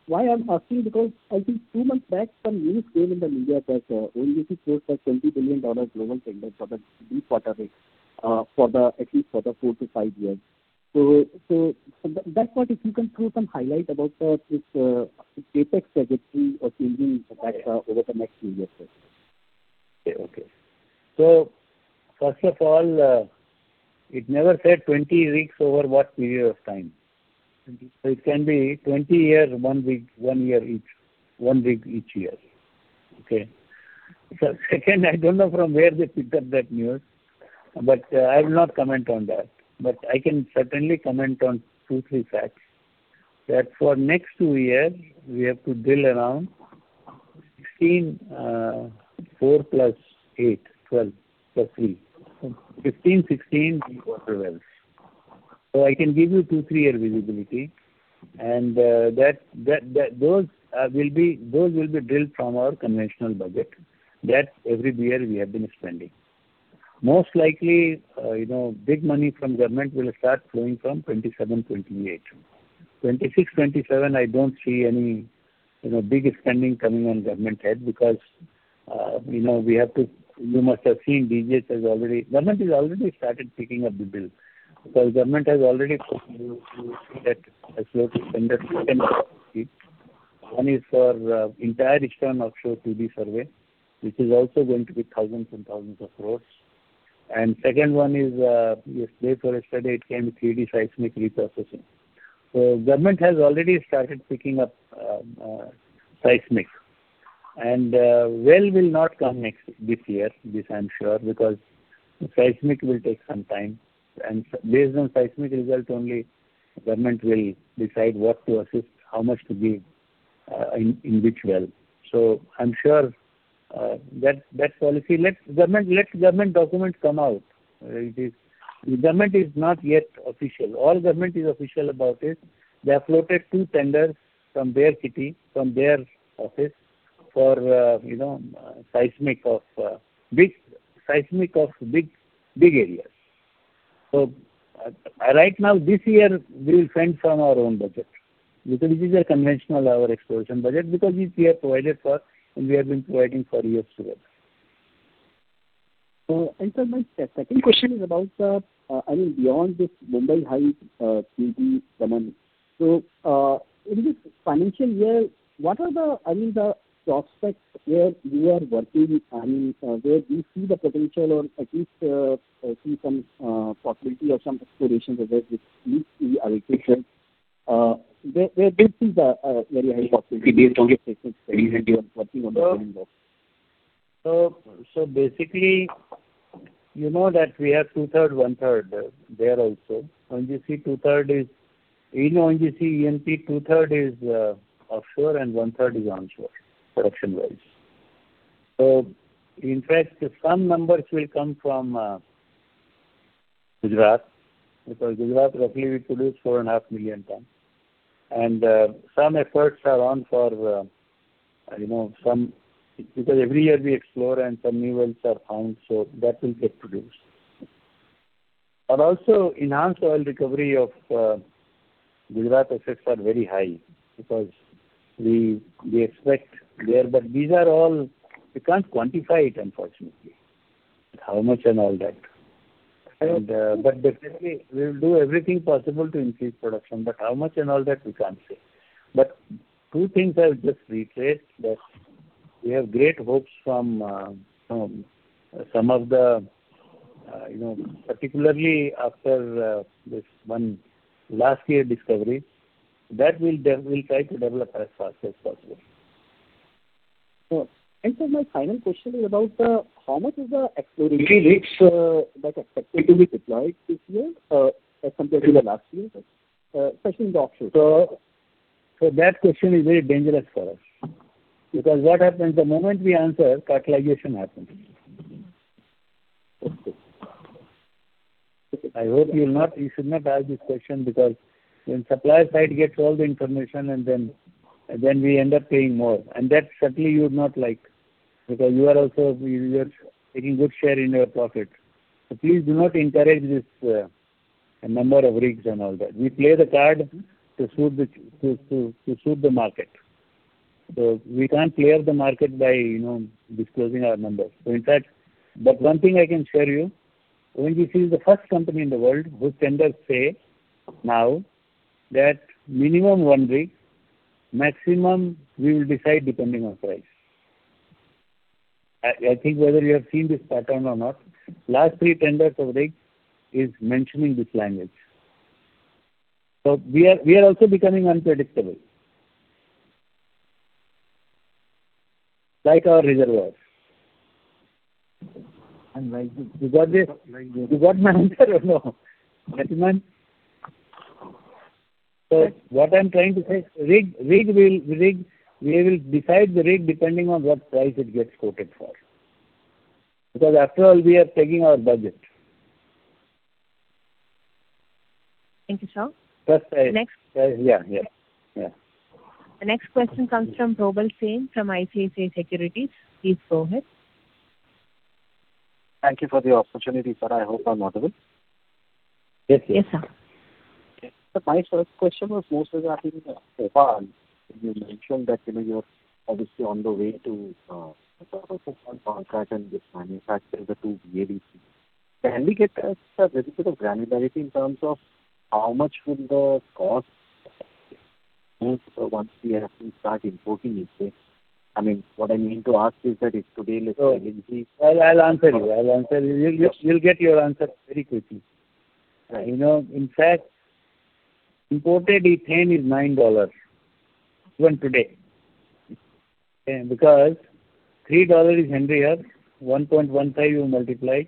Why I'm asking, I think two months back some news came in the media that ONGC sourced an INR 20 billion global tender for the deepwater rigs at least for the four to five years. That part, if you can throw some highlight about this CapEx trajectory or changing CapEx over the next few years.
Okay. First of all, it never said 20 rigs over what period of time. It can be 20 years, one rig, one year each, one rig each year. Okay? Second, I don't know from where they picked up that news, but I will not comment on that. I can certainly comment on two, three facts. That for next two years, we have to drill around 16, 4+8, 12, plus three. 15, 16 deepwater wells. I can give you two, three-year visibility, and those will be drilled from our conventional budget, that every year we have been spending. Most likely, big money from government will start flowing from 2027, 2028. 2026, 2027, I don't see any big spending coming on government side because you must have seen Government has already started picking up the bill. Government has already took, you see that has floated tender, two tender actually. One is for entire eastern offshore 2D survey, which is also going to be thousands and thousands of crores. Second one is, yesterday or the day before, it came, 3D seismic reprocessing. Government has already started picking up seismic. Well will not come this year, this I'm sure, because seismic will take some time. Based on seismic result only Government will decide what to assist, how much to give in which well. I'm sure that policy. Let Government documents come out. Government is not yet official. All Government is official about is they have floated two tenders from their city, from their office for seismic of big areas. Right now, this year, we will fund from our own budget, because this is a conventional exploration budget, because we have provided for, and we have been providing for years together.
Sir, my second question is about, beyond this Mumbai High field, in this financial year, what are the prospects where you are working, where do you see the potential or at least see some possibility of some exploration where there is where this is a very high possibility based on your previous studies and you are working on the ground there?
Basically, you know that we have 2/3, 1/3 there also. In ONGC E&P, 2/3 is offshore and 1/3 is onshore, production-wise. In fact, some numbers will come from Gujarat, because Gujarat roughly we produce 4.5 million tons. Some efforts are on for some, because every year we explore and some new wells are found, so that will get produced. Also enhanced oil recovery of Gujarat offsets are very high because we expect there. These are all, we can't quantify it, unfortunately, how much and all that. Basically, we will do everything possible to increase production, but how much and all that, we can't say. Two things I'll just retrace, that we have great hopes from some of the, particularly after this one last year discovery, that we'll try to develop as fast as possible.
Sure. Sir, my final question is about how much is the exploration rigs that are expected to be deployed this year as compared to the last year, especially in the offshore?
That question is very dangerous for us. Because what happens, the moment we answer, cartelization happens.
Okay.
I hope you should not ask this question because when supplier side gets all the information and then we end up paying more. That certainly you would not like, because you are also taking good share in your profit. Please do not encourage this number of rigs and all that. We play the card to suit the market. We can't clear the market by disclosing our numbers. In fact, but one thing I can share you, ONGC is the first company in the world whose tenders say now that minimum one rig, maximum we will decide depending on price. I think whether you have seen this pattern or not, last three tenders of rig is mentioning this language. We are also becoming unpredictable, like our reservoirs.
Like.
You got my answer or no? What I'm trying to say, we will decide the rig depending on what price it gets quoted for. After all, we are taking our budget.
Thank you, sir.
That's right.
Next.
Yeah.
The next question comes from Probal Sen from ICICI Securities. Please go ahead.
Thank you for the opportunity, sir. I hope I'm audible.
Yes, please.
Yes, sir.
My first question was more regarding the propane. You mentioned that you're obviously on the way to sort of propane contract and this liquefaction, the two VLEC units. Can we get a little bit of granularity in terms of how much will the cost move once we actually start importing it there? What I mean to ask is that if today LNG.
I'll answer you. You'll get your answer very quickly.
Right.
In fact, imported ethane is $9 even today. $3 is Henry Hub, 1.15 you multiply,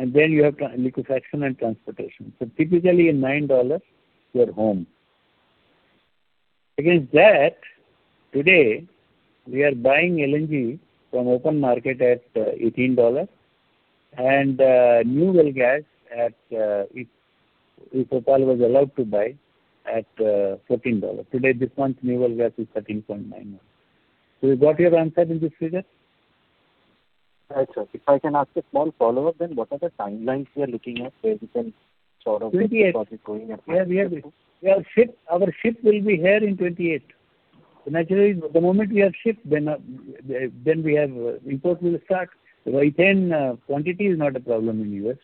and then you have liquefaction and transportation. Typically, in $9, you're home. Against that, today, we are buying LNG from open market at $18 and new well gas at, if OPaL was allowed to buy, at $14. Today, this month, new well gas is $13.91. You got your answer in this figure?
Right, sir. If I can ask a small follow-up, what are the timelines we are looking at where we can sort of.
28th.
See the project going ahead?
Our ship will be here in 28th. Naturally, the moment we have ship, then import will start. Ethane quantity is not a problem in U.S.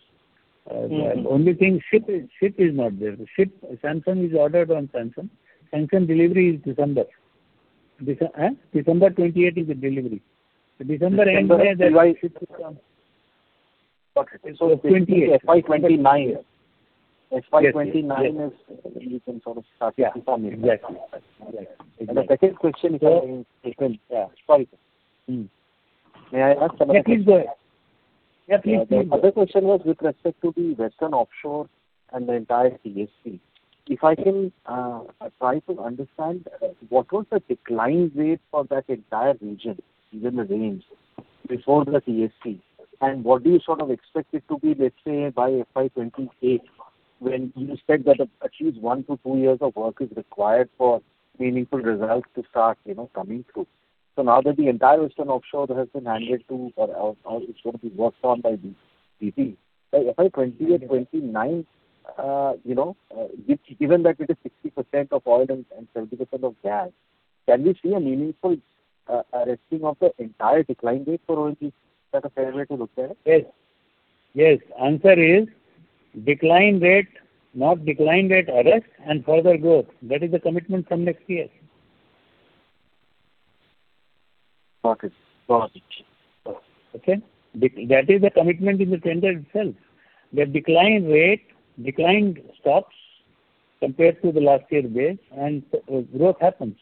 Only thing, ship is not there. Ship, Samsung is ordered on Samsung. Samsung delivery is December. December 28th is the delivery. December end we have the ship.
Got it.
28th.
FY 2029.
Yes.
When we can sort of start?
Yeah, exactly.
To formulate on that.
Exactly.
The second question, sir?
Yeah.
May I ask another?
Yeah. Please go ahead.
The other question was with respect to the western offshore and the entire TSP. If I can try to understand what was the decline rate for that entire region within the range before the TSP, and what do you expect it to be, let's say, by FY 2028, when you said that at least one to two years of work is required for meaningful results to start coming through? Now that the entire western offshore has been handed to or is going to be worked on by BP, by FY 2028, FY 2029, given that it is 60% of oil and 70% of gas, can we see a meaningful arresting of the entire decline rate for ONGC at a fair rate of return?
Yes. Answer is decline rate, not decline rate arrest and further growth. That is the commitment from next year.
Got it.
Okay. That is the commitment to the tender itself. The decline rate stops compared to the last year rate and growth happens.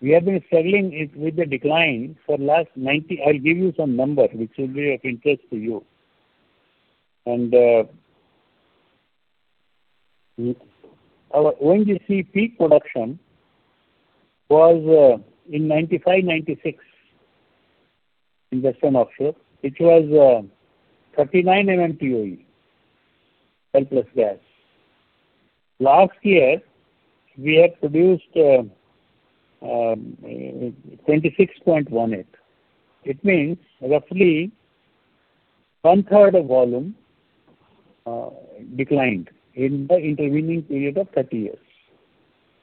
We have been struggling with the decline for the last 19 I'll give you some numbers, which will be of interest to you. Our ONGC peak production was in 1995, 1996 in western offshore, which was 39 MMtoe, oil plus gas. Last year, we had produced 26.18. It means roughly 1/3 of volume declined in the intervening period of 30 years.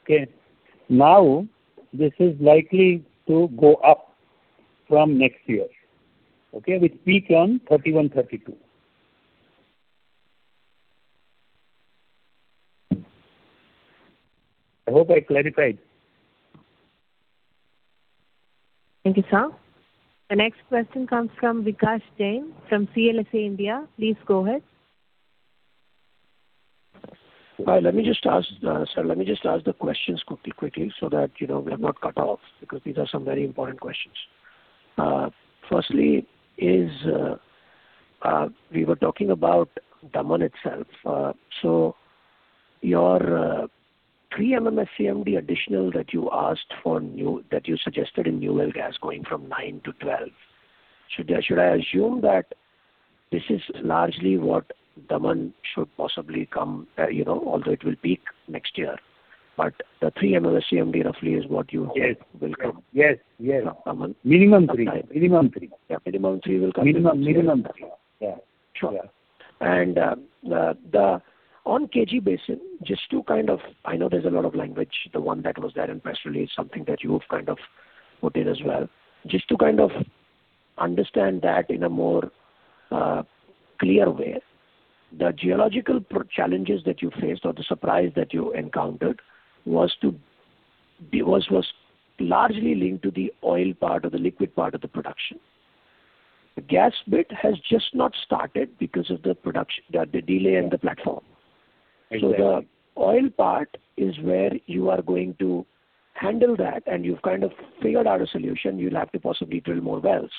Okay. This is likely to go up from next year. Okay. With peak on 2031, 2032. I hope I clarified.
Thank you, sir. The next question comes from Vikash Jain, from CLSA India. Please go ahead.
Well, let me just ask the questions quickly so that we are not cut off, because these are some very important questions. Firstly is, we were talking about Daman itself. Your three MMSCMD additional that you suggested in new well gas going from 9-12, should I assume that this is largely what Daman should possibly come, although it will peak next year, but the three MMSCMD roughly is what you hope will come?
Yes. Minimum three.
Minimum three will come.
Minimum.
Yeah. Sure. On KG Basin, I know there's a lot of language, the one that was there in the press release, something that you've put in as well. Just to understand that in a more clear way, the geological challenges that you faced or the surprise that you encountered was largely linked to the oil part or the liquid part of the production. The gas bit has just not started because of the delay in the platform.
Exactly.
The oil part is where you are going to handle that, and you've kind of figured out a solution. You'll have to possibly drill more wells,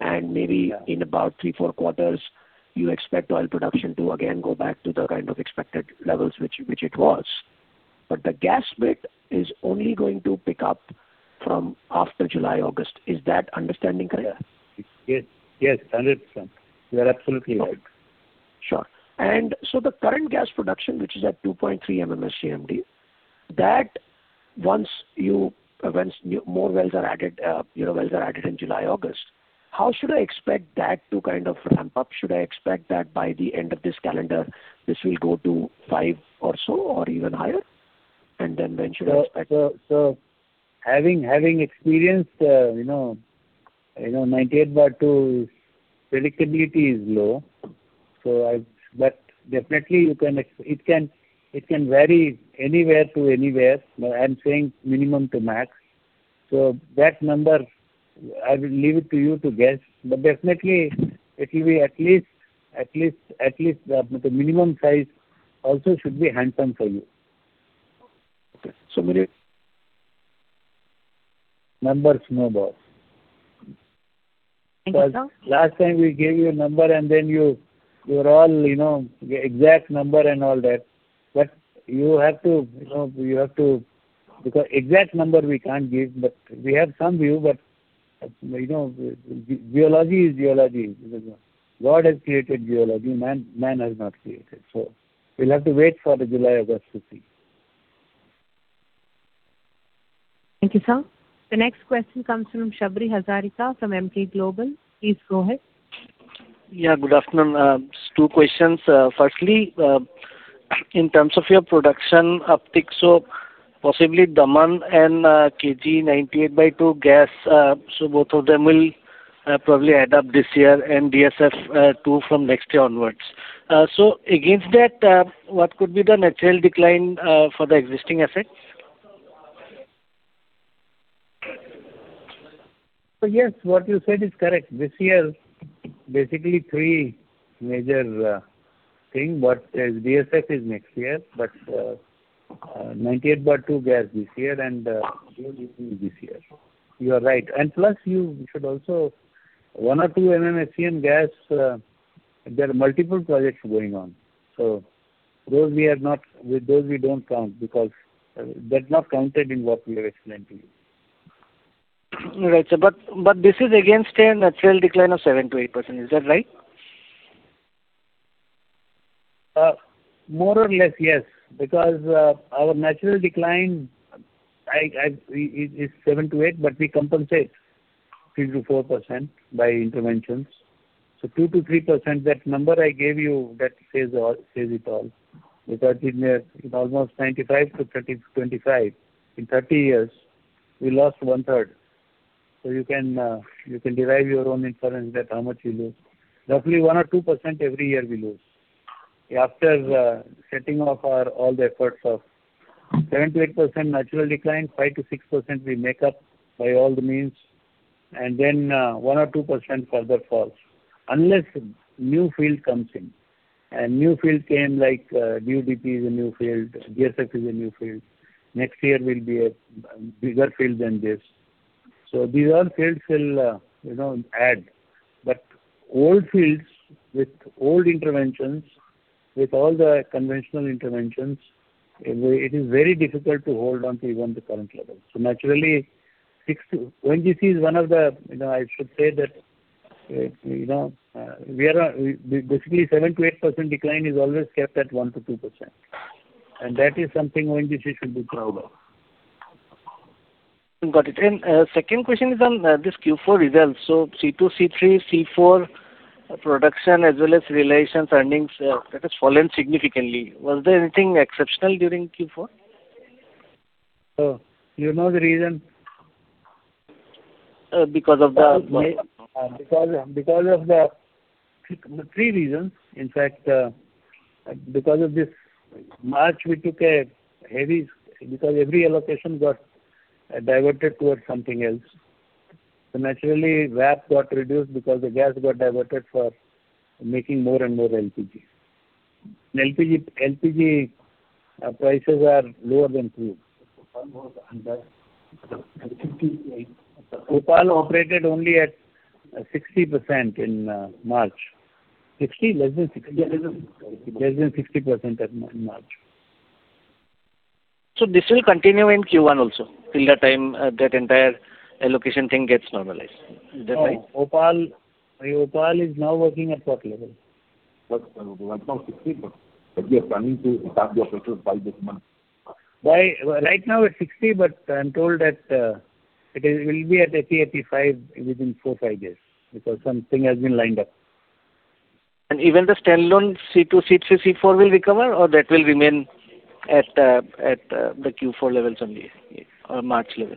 and maybe in about three, four quarters, you expect oil production to again go back to the kind of expected levels which it was. The gas bit is only going to pick up from after July, August. Is that understanding correct?
Yes. 100%. You're absolutely right.
Sure. The current gas production, which is at 2.3 MMSCMD, once more wells are added in July, August, how should I expect that to ramp up? Should I expect that by the end of this calendar, this will go to five or so, or even higher?
Having experienced 98/2, predictability is low. Definitely it can vary anywhere to anywhere. I am saying minimum to max. That number, I will leave it to you to guess. Definitely, it will be at least the minimum size also should be handsome for you.
Okay.
Numbers, no.
Thank you, sir.
Last time we gave you a number, and then you're all, "Exact number," and all that. Exact number we can't give, but we have some view, but geology is geology. God has created geology. Man has not created. We'll have to wait for the July, August to see.
Thank you, sir. The next question comes from Sabri Hazarika, sir, from Emkay Global. Please go ahead.
Yeah, good afternoon. Two questions. Firstly, in terms of your production uptick, so possibly Daman and KG 98/2 gas, so both of them will probably add up this year and DSF 2 from next year onwards. Against that, what could be the natural decline for the existing assets?
Yes, what you said is correct. This year, basically three major things. DSF is next year, 98/2 gas this year and DDP this year. You are right. Plus, you should also, one or two MMSCMD gas, there are multiple projects going on. Those we don't count because that's not counted in what we have explained to you.
Right, sir. This is against a natural decline of 7%-8%, is that right?
More or less, yes. Our natural decline is 7%-8%, but we compensate 3%-4% by interventions. 2%-3%, that number I gave you, that says it all. In almost 1995 to 2025, in 30 years, we lost 1/3. You can derive your own inference that how much we lose. Roughly 1% or 2% every year we lose. After setting off all the efforts of 7%-8% natural decline, 5%-6% we make up by all the means, and then 1% or 2% further falls. Unless new field comes in, new field came like DDP is a new field, DSF is a new field. Next year will be a bigger field than this. These all fields will add. Old fields with old interventions, with all the conventional interventions, it is very difficult to hold on to even the current level. Naturally, I should say that basically 7%-8% decline is always kept at 1%-2%. That is something ONGC should be proud of.
Got it. Second question is on this Q4 results. C2, C3, C4 production as well as realizations earnings, that has fallen significantly. Was there anything exceptional during Q4?
You know the reason.
Because of the.
Because of the three reasons. In fact, because of this March we took a heavy. Every allocation got diverted towards something else. Naturally, RAP got reduced because the gas got diverted for making more and more LPG. LPG prices are lower than fuel.
OPaL was under 50.
OPaL operated only at 60% in March.
60%? Less than 60%.
Less than 60% in March.
This will continue in Q1 also, till the time that entire allocation thing gets normalized. Is that right?
OPaL is now working at what level?
Right now 60%, but we are planning to start the operation by this month.
Right now it's 60%, but I'm told that it will be at 80%, 85% within four, five days, because something has been lined up.
Even the standalone C2, C3, C4 will recover or that will remain at the Q4 levels only or March level?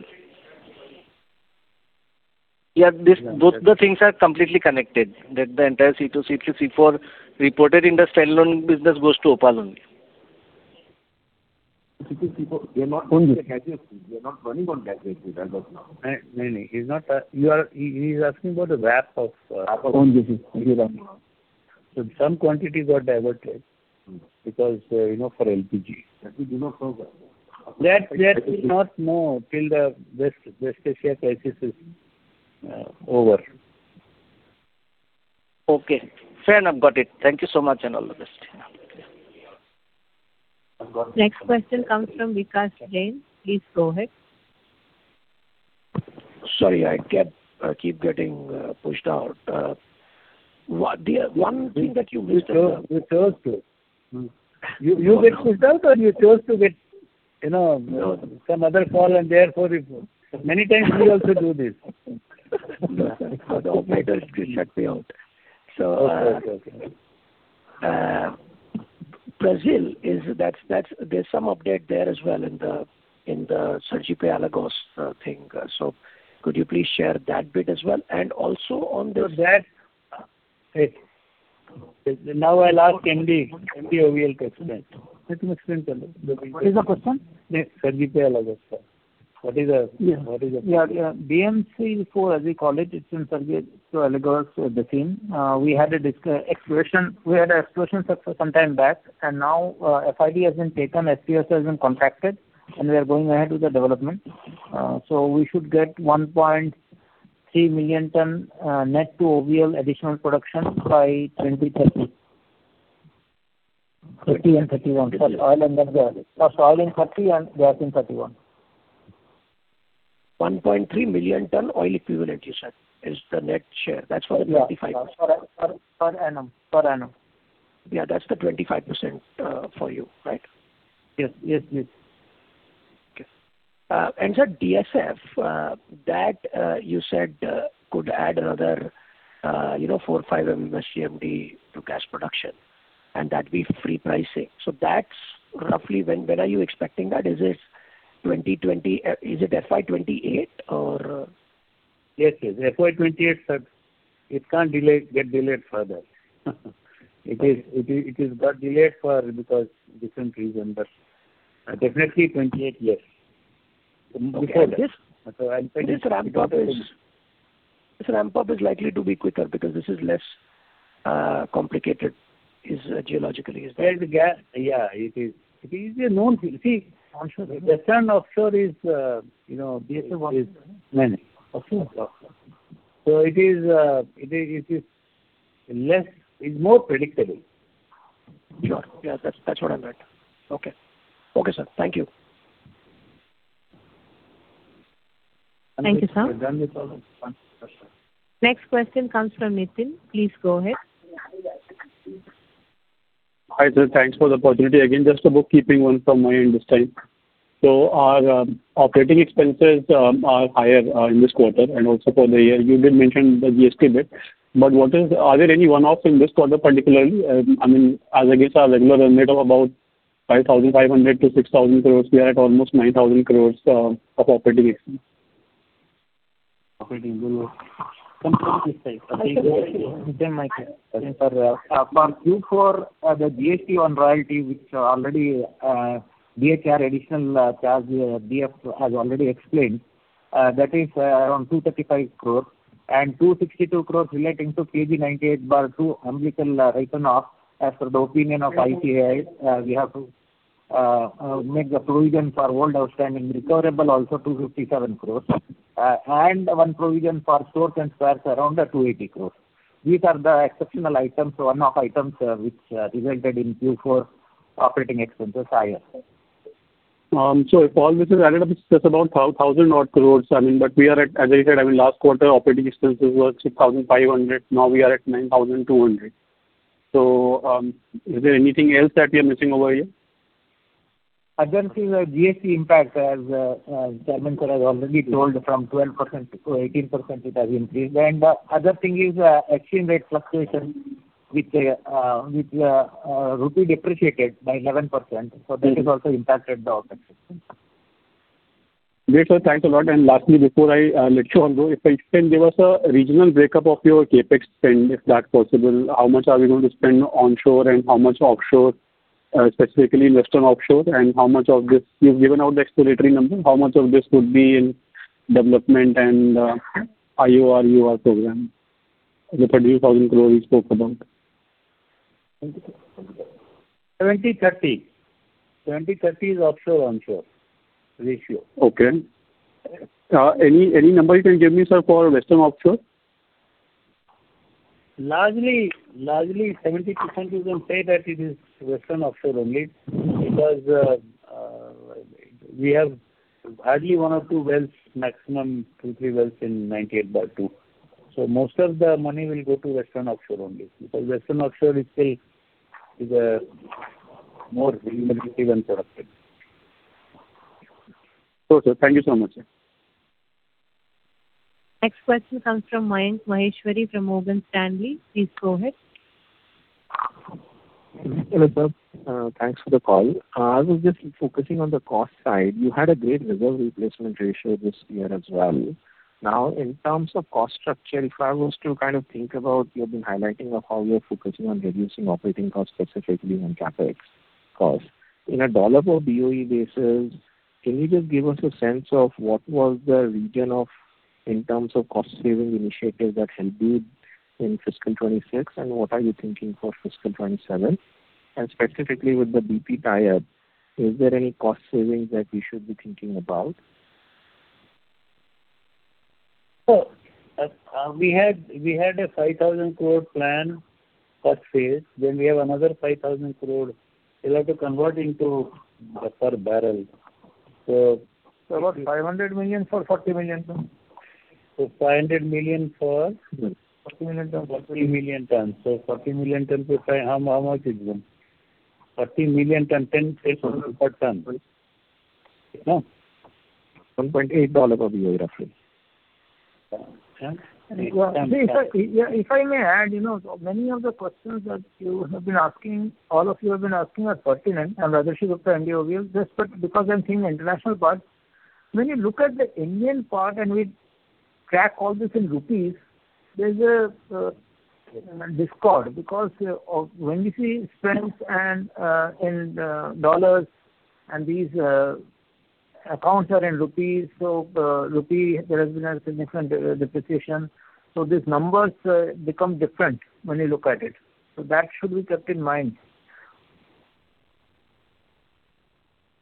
Yeah, both the things are completely connected. The entire C2, C3, C4 reported in the standalone business goes to OPaL only.
C2, C4, they are not running on gas as we speak as of now.
No. He's asking about the RAP of.
RAP of C2.
Some quantity got diverted because for LPG.
LPG do not cover.
That we will not know till the West Asia crisis is over.
Okay, fair enough. Got it. Thank you so much, and all the best.
Okay.
Next question comes from Vikash Jain. Please go ahead.
Sorry, I keep getting pushed out. One thing that you missed out.
You chose to. You get pushed out or you chose to get some other call. Many times we also do this.
No, the operators keep shutting me out.
Okay.
Brazil, there's some update there as well in the Sergipe-Alagoas thing. Could you please share that bit as well? Also on this.
That, now I'll ask MD OVL to explain.
I can explain, sir. What is the question?
Sergipe-Alagoas, sir.
BM-SEAL-4, as we call it's in Sergipe-Alagoas Basin. We had exploration success some time back, and now FID has been taken, FPSO has been contracted, and we are going ahead with the development. We should get 1.3 million ton net to OVL additional production by 2030. 2030 and 2031. First oil in 2030 and gas in 2031.
1.3 million ton oil equivalent, you said, is the net share. That's for the 25%.
Per annum.
Yeah, that's the 25% for you, right?
Yes.
Okay. Sir, DSF, that you said could add another 4-5 MMSCMD to gas production, and that be free pricing. That's roughly, when are you expecting that? Is it FY 2028 or?
Yes. FY 2028, sir. It can't get delayed further. It is got delayed because different reason, but definitely 2028, yes.
Okay. This ramp-up is likely to be quicker because this is less complicated geologically, is that it?
Yeah, it is. It is a known thing.
Onshore.
It is more predictable.
Sure. Yeah, that's what I meant. Okay. Okay, sir. Thank you.
Thank you, sir.
We're done with all the questions.
Next question comes from Nitin. Please go ahead.
Hi, sir. Thanks for the opportunity again. Just a bookkeeping one from my end this time. Our operating expenses are higher in this quarter and also for the year. You did mention the GST bit. Are there any one-offs in this quarter particularly? As against our regular run rate of about 5,500 crore-6,000 crore, we are at almost 9,000 crore of operating expenses.
Operating. For Q4, the GST on royalty, DHR additional charge Director Finance has already explained, that is around 235 crores and 262 crores relating to KG-DWN-98/2 umbilical written-off as per the opinion of ICAI. We have to make the provision for old outstanding recoverable also 257 crores, and one provision for stores and spares around 280 crores. These are the exceptional items, one-off items, which resulted in Q4 operating expenses higher.
If all this is added up, it's just about 1,000 odd crore. As I said, last quarter operating expenses were 6,500. Now we are at 9,200. Is there anything else that we are missing over here?
Other thing is the GST impact as Chairman sir has already told from 12%-18%, it has increased. The other thing is exchange rate fluctuation with INR depreciated by 11%. That has also impacted the operating expenses.
Great, sir. Thanks a lot. Lastly, before I let you all go, if you can give us a regional breakup of your CapEx spend, if that's possible. How much are we going to spend onshore and how much offshore, specifically western offshore? You've given out the exploratory number. How much of this would be in development and IOR, UR program? The INR 30,000 crore you spoke about.
70/30. 70/30 is offshore/onshore ratio.
Okay. Any number you can give me, sir, for western offshore?
Largely 70% you can say that it is western offshore only because we have hardly one or two wells, maximum two, three wells in 98/2. Most of the money will go to western offshore only because western offshore is more even for us.
Sure, sir. Thank you so much.
Next question comes from Mayank Maheshwari from Morgan Stanley. Please go ahead.
Hello, sir. Thanks for the call. I was just focusing on the cost side. You had a great reserve replacement ratio this year as well. In terms of cost structure, if I was to think about, you have been highlighting of how you are focusing on reducing operating costs, specifically on CapEx cost. In a dollar per BOE basis, can you just give us a sense of what was the region in terms of cost saving initiatives that helped you in fiscal 2026, and what are you thinking for fiscal 2027? Specifically with the BP tie-up, is there any cost savings that we should be thinking about?
We had a 5,000 crore plan per phase. We have another 5,000 crore we'll have to convert into per barrel.
About 500 million for 40 million ton.
500 million.
40 million ton.
40 million tons. 40 million tons to five, how much is it? 40 million tons, 10.
INR 1.8 per BOE roughly.
Yeah.
If I may add, many of the questions that all of you have been asking are pertinent. Rajarshi Gupta, MD OVL, just because I'm seeing the international part. When you look at the Indian part, we track all this in INR, there's a discord because when we see spends in dollars and these accounts are in INR there has been a significant depreciation. These numbers become different when you look at it. That should be kept in mind.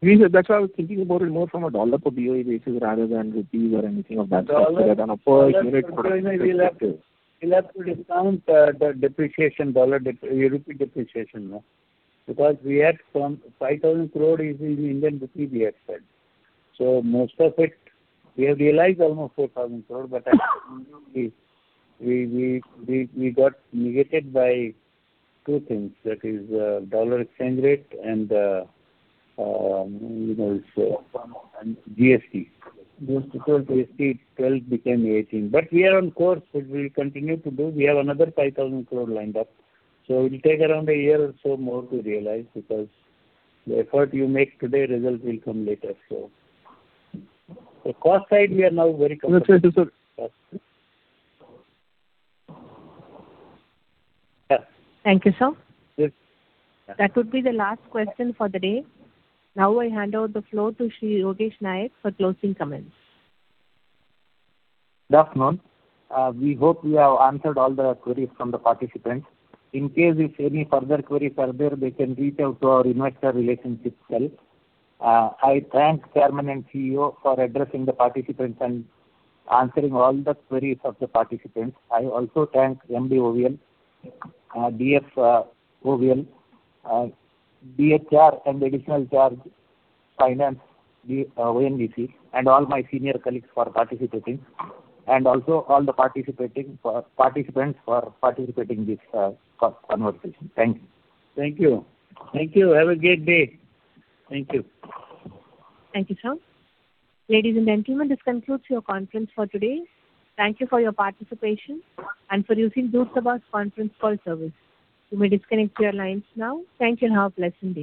That's why I was thinking about it more from a dollar per BOE basis rather than rupee or anything of that sort.
We'll have to discount the rupee depreciation. We had some 5,000 crore is in the Indian rupee we had spent. Most of it, we have realized almost 4,000 crore, but we got negated by two things, that is dollar exchange rate and GST. GST 12 became 18. We are on course as we continue to do. We have another 5,000 crore lined up. It will take around a year or so more to realize because the effort you make today, results will come later. Cost side, we are now very comfortable.
Yes, sir.
Thank you, sir.
Yes.
That would be the last question for the day. Now I hand over the floor to Shri Yogish Nayak for closing comments.
Good afternoon. We hope we have answered all the queries from the participants. In case if any further queries are there, they can reach out to our investor relations cell. I thank Chairman and CEO for addressing the participants and answering all the queries of the participants. I also thank MD OVL, DF OVL, DHR and additional charge Finance, ONGC, and all my senior colleagues for participating, and also all the participants for participating in this conversation. Thank you.
Thank you.
Thank you. Have a great day. Thank you.
Thank you, sir. Ladies and gentlemen, this concludes your conference for today. Thank you for your participation and for using [Booth Abbas] Conference Call Service. You may disconnect your lines now. Thank you, and have a pleasant day.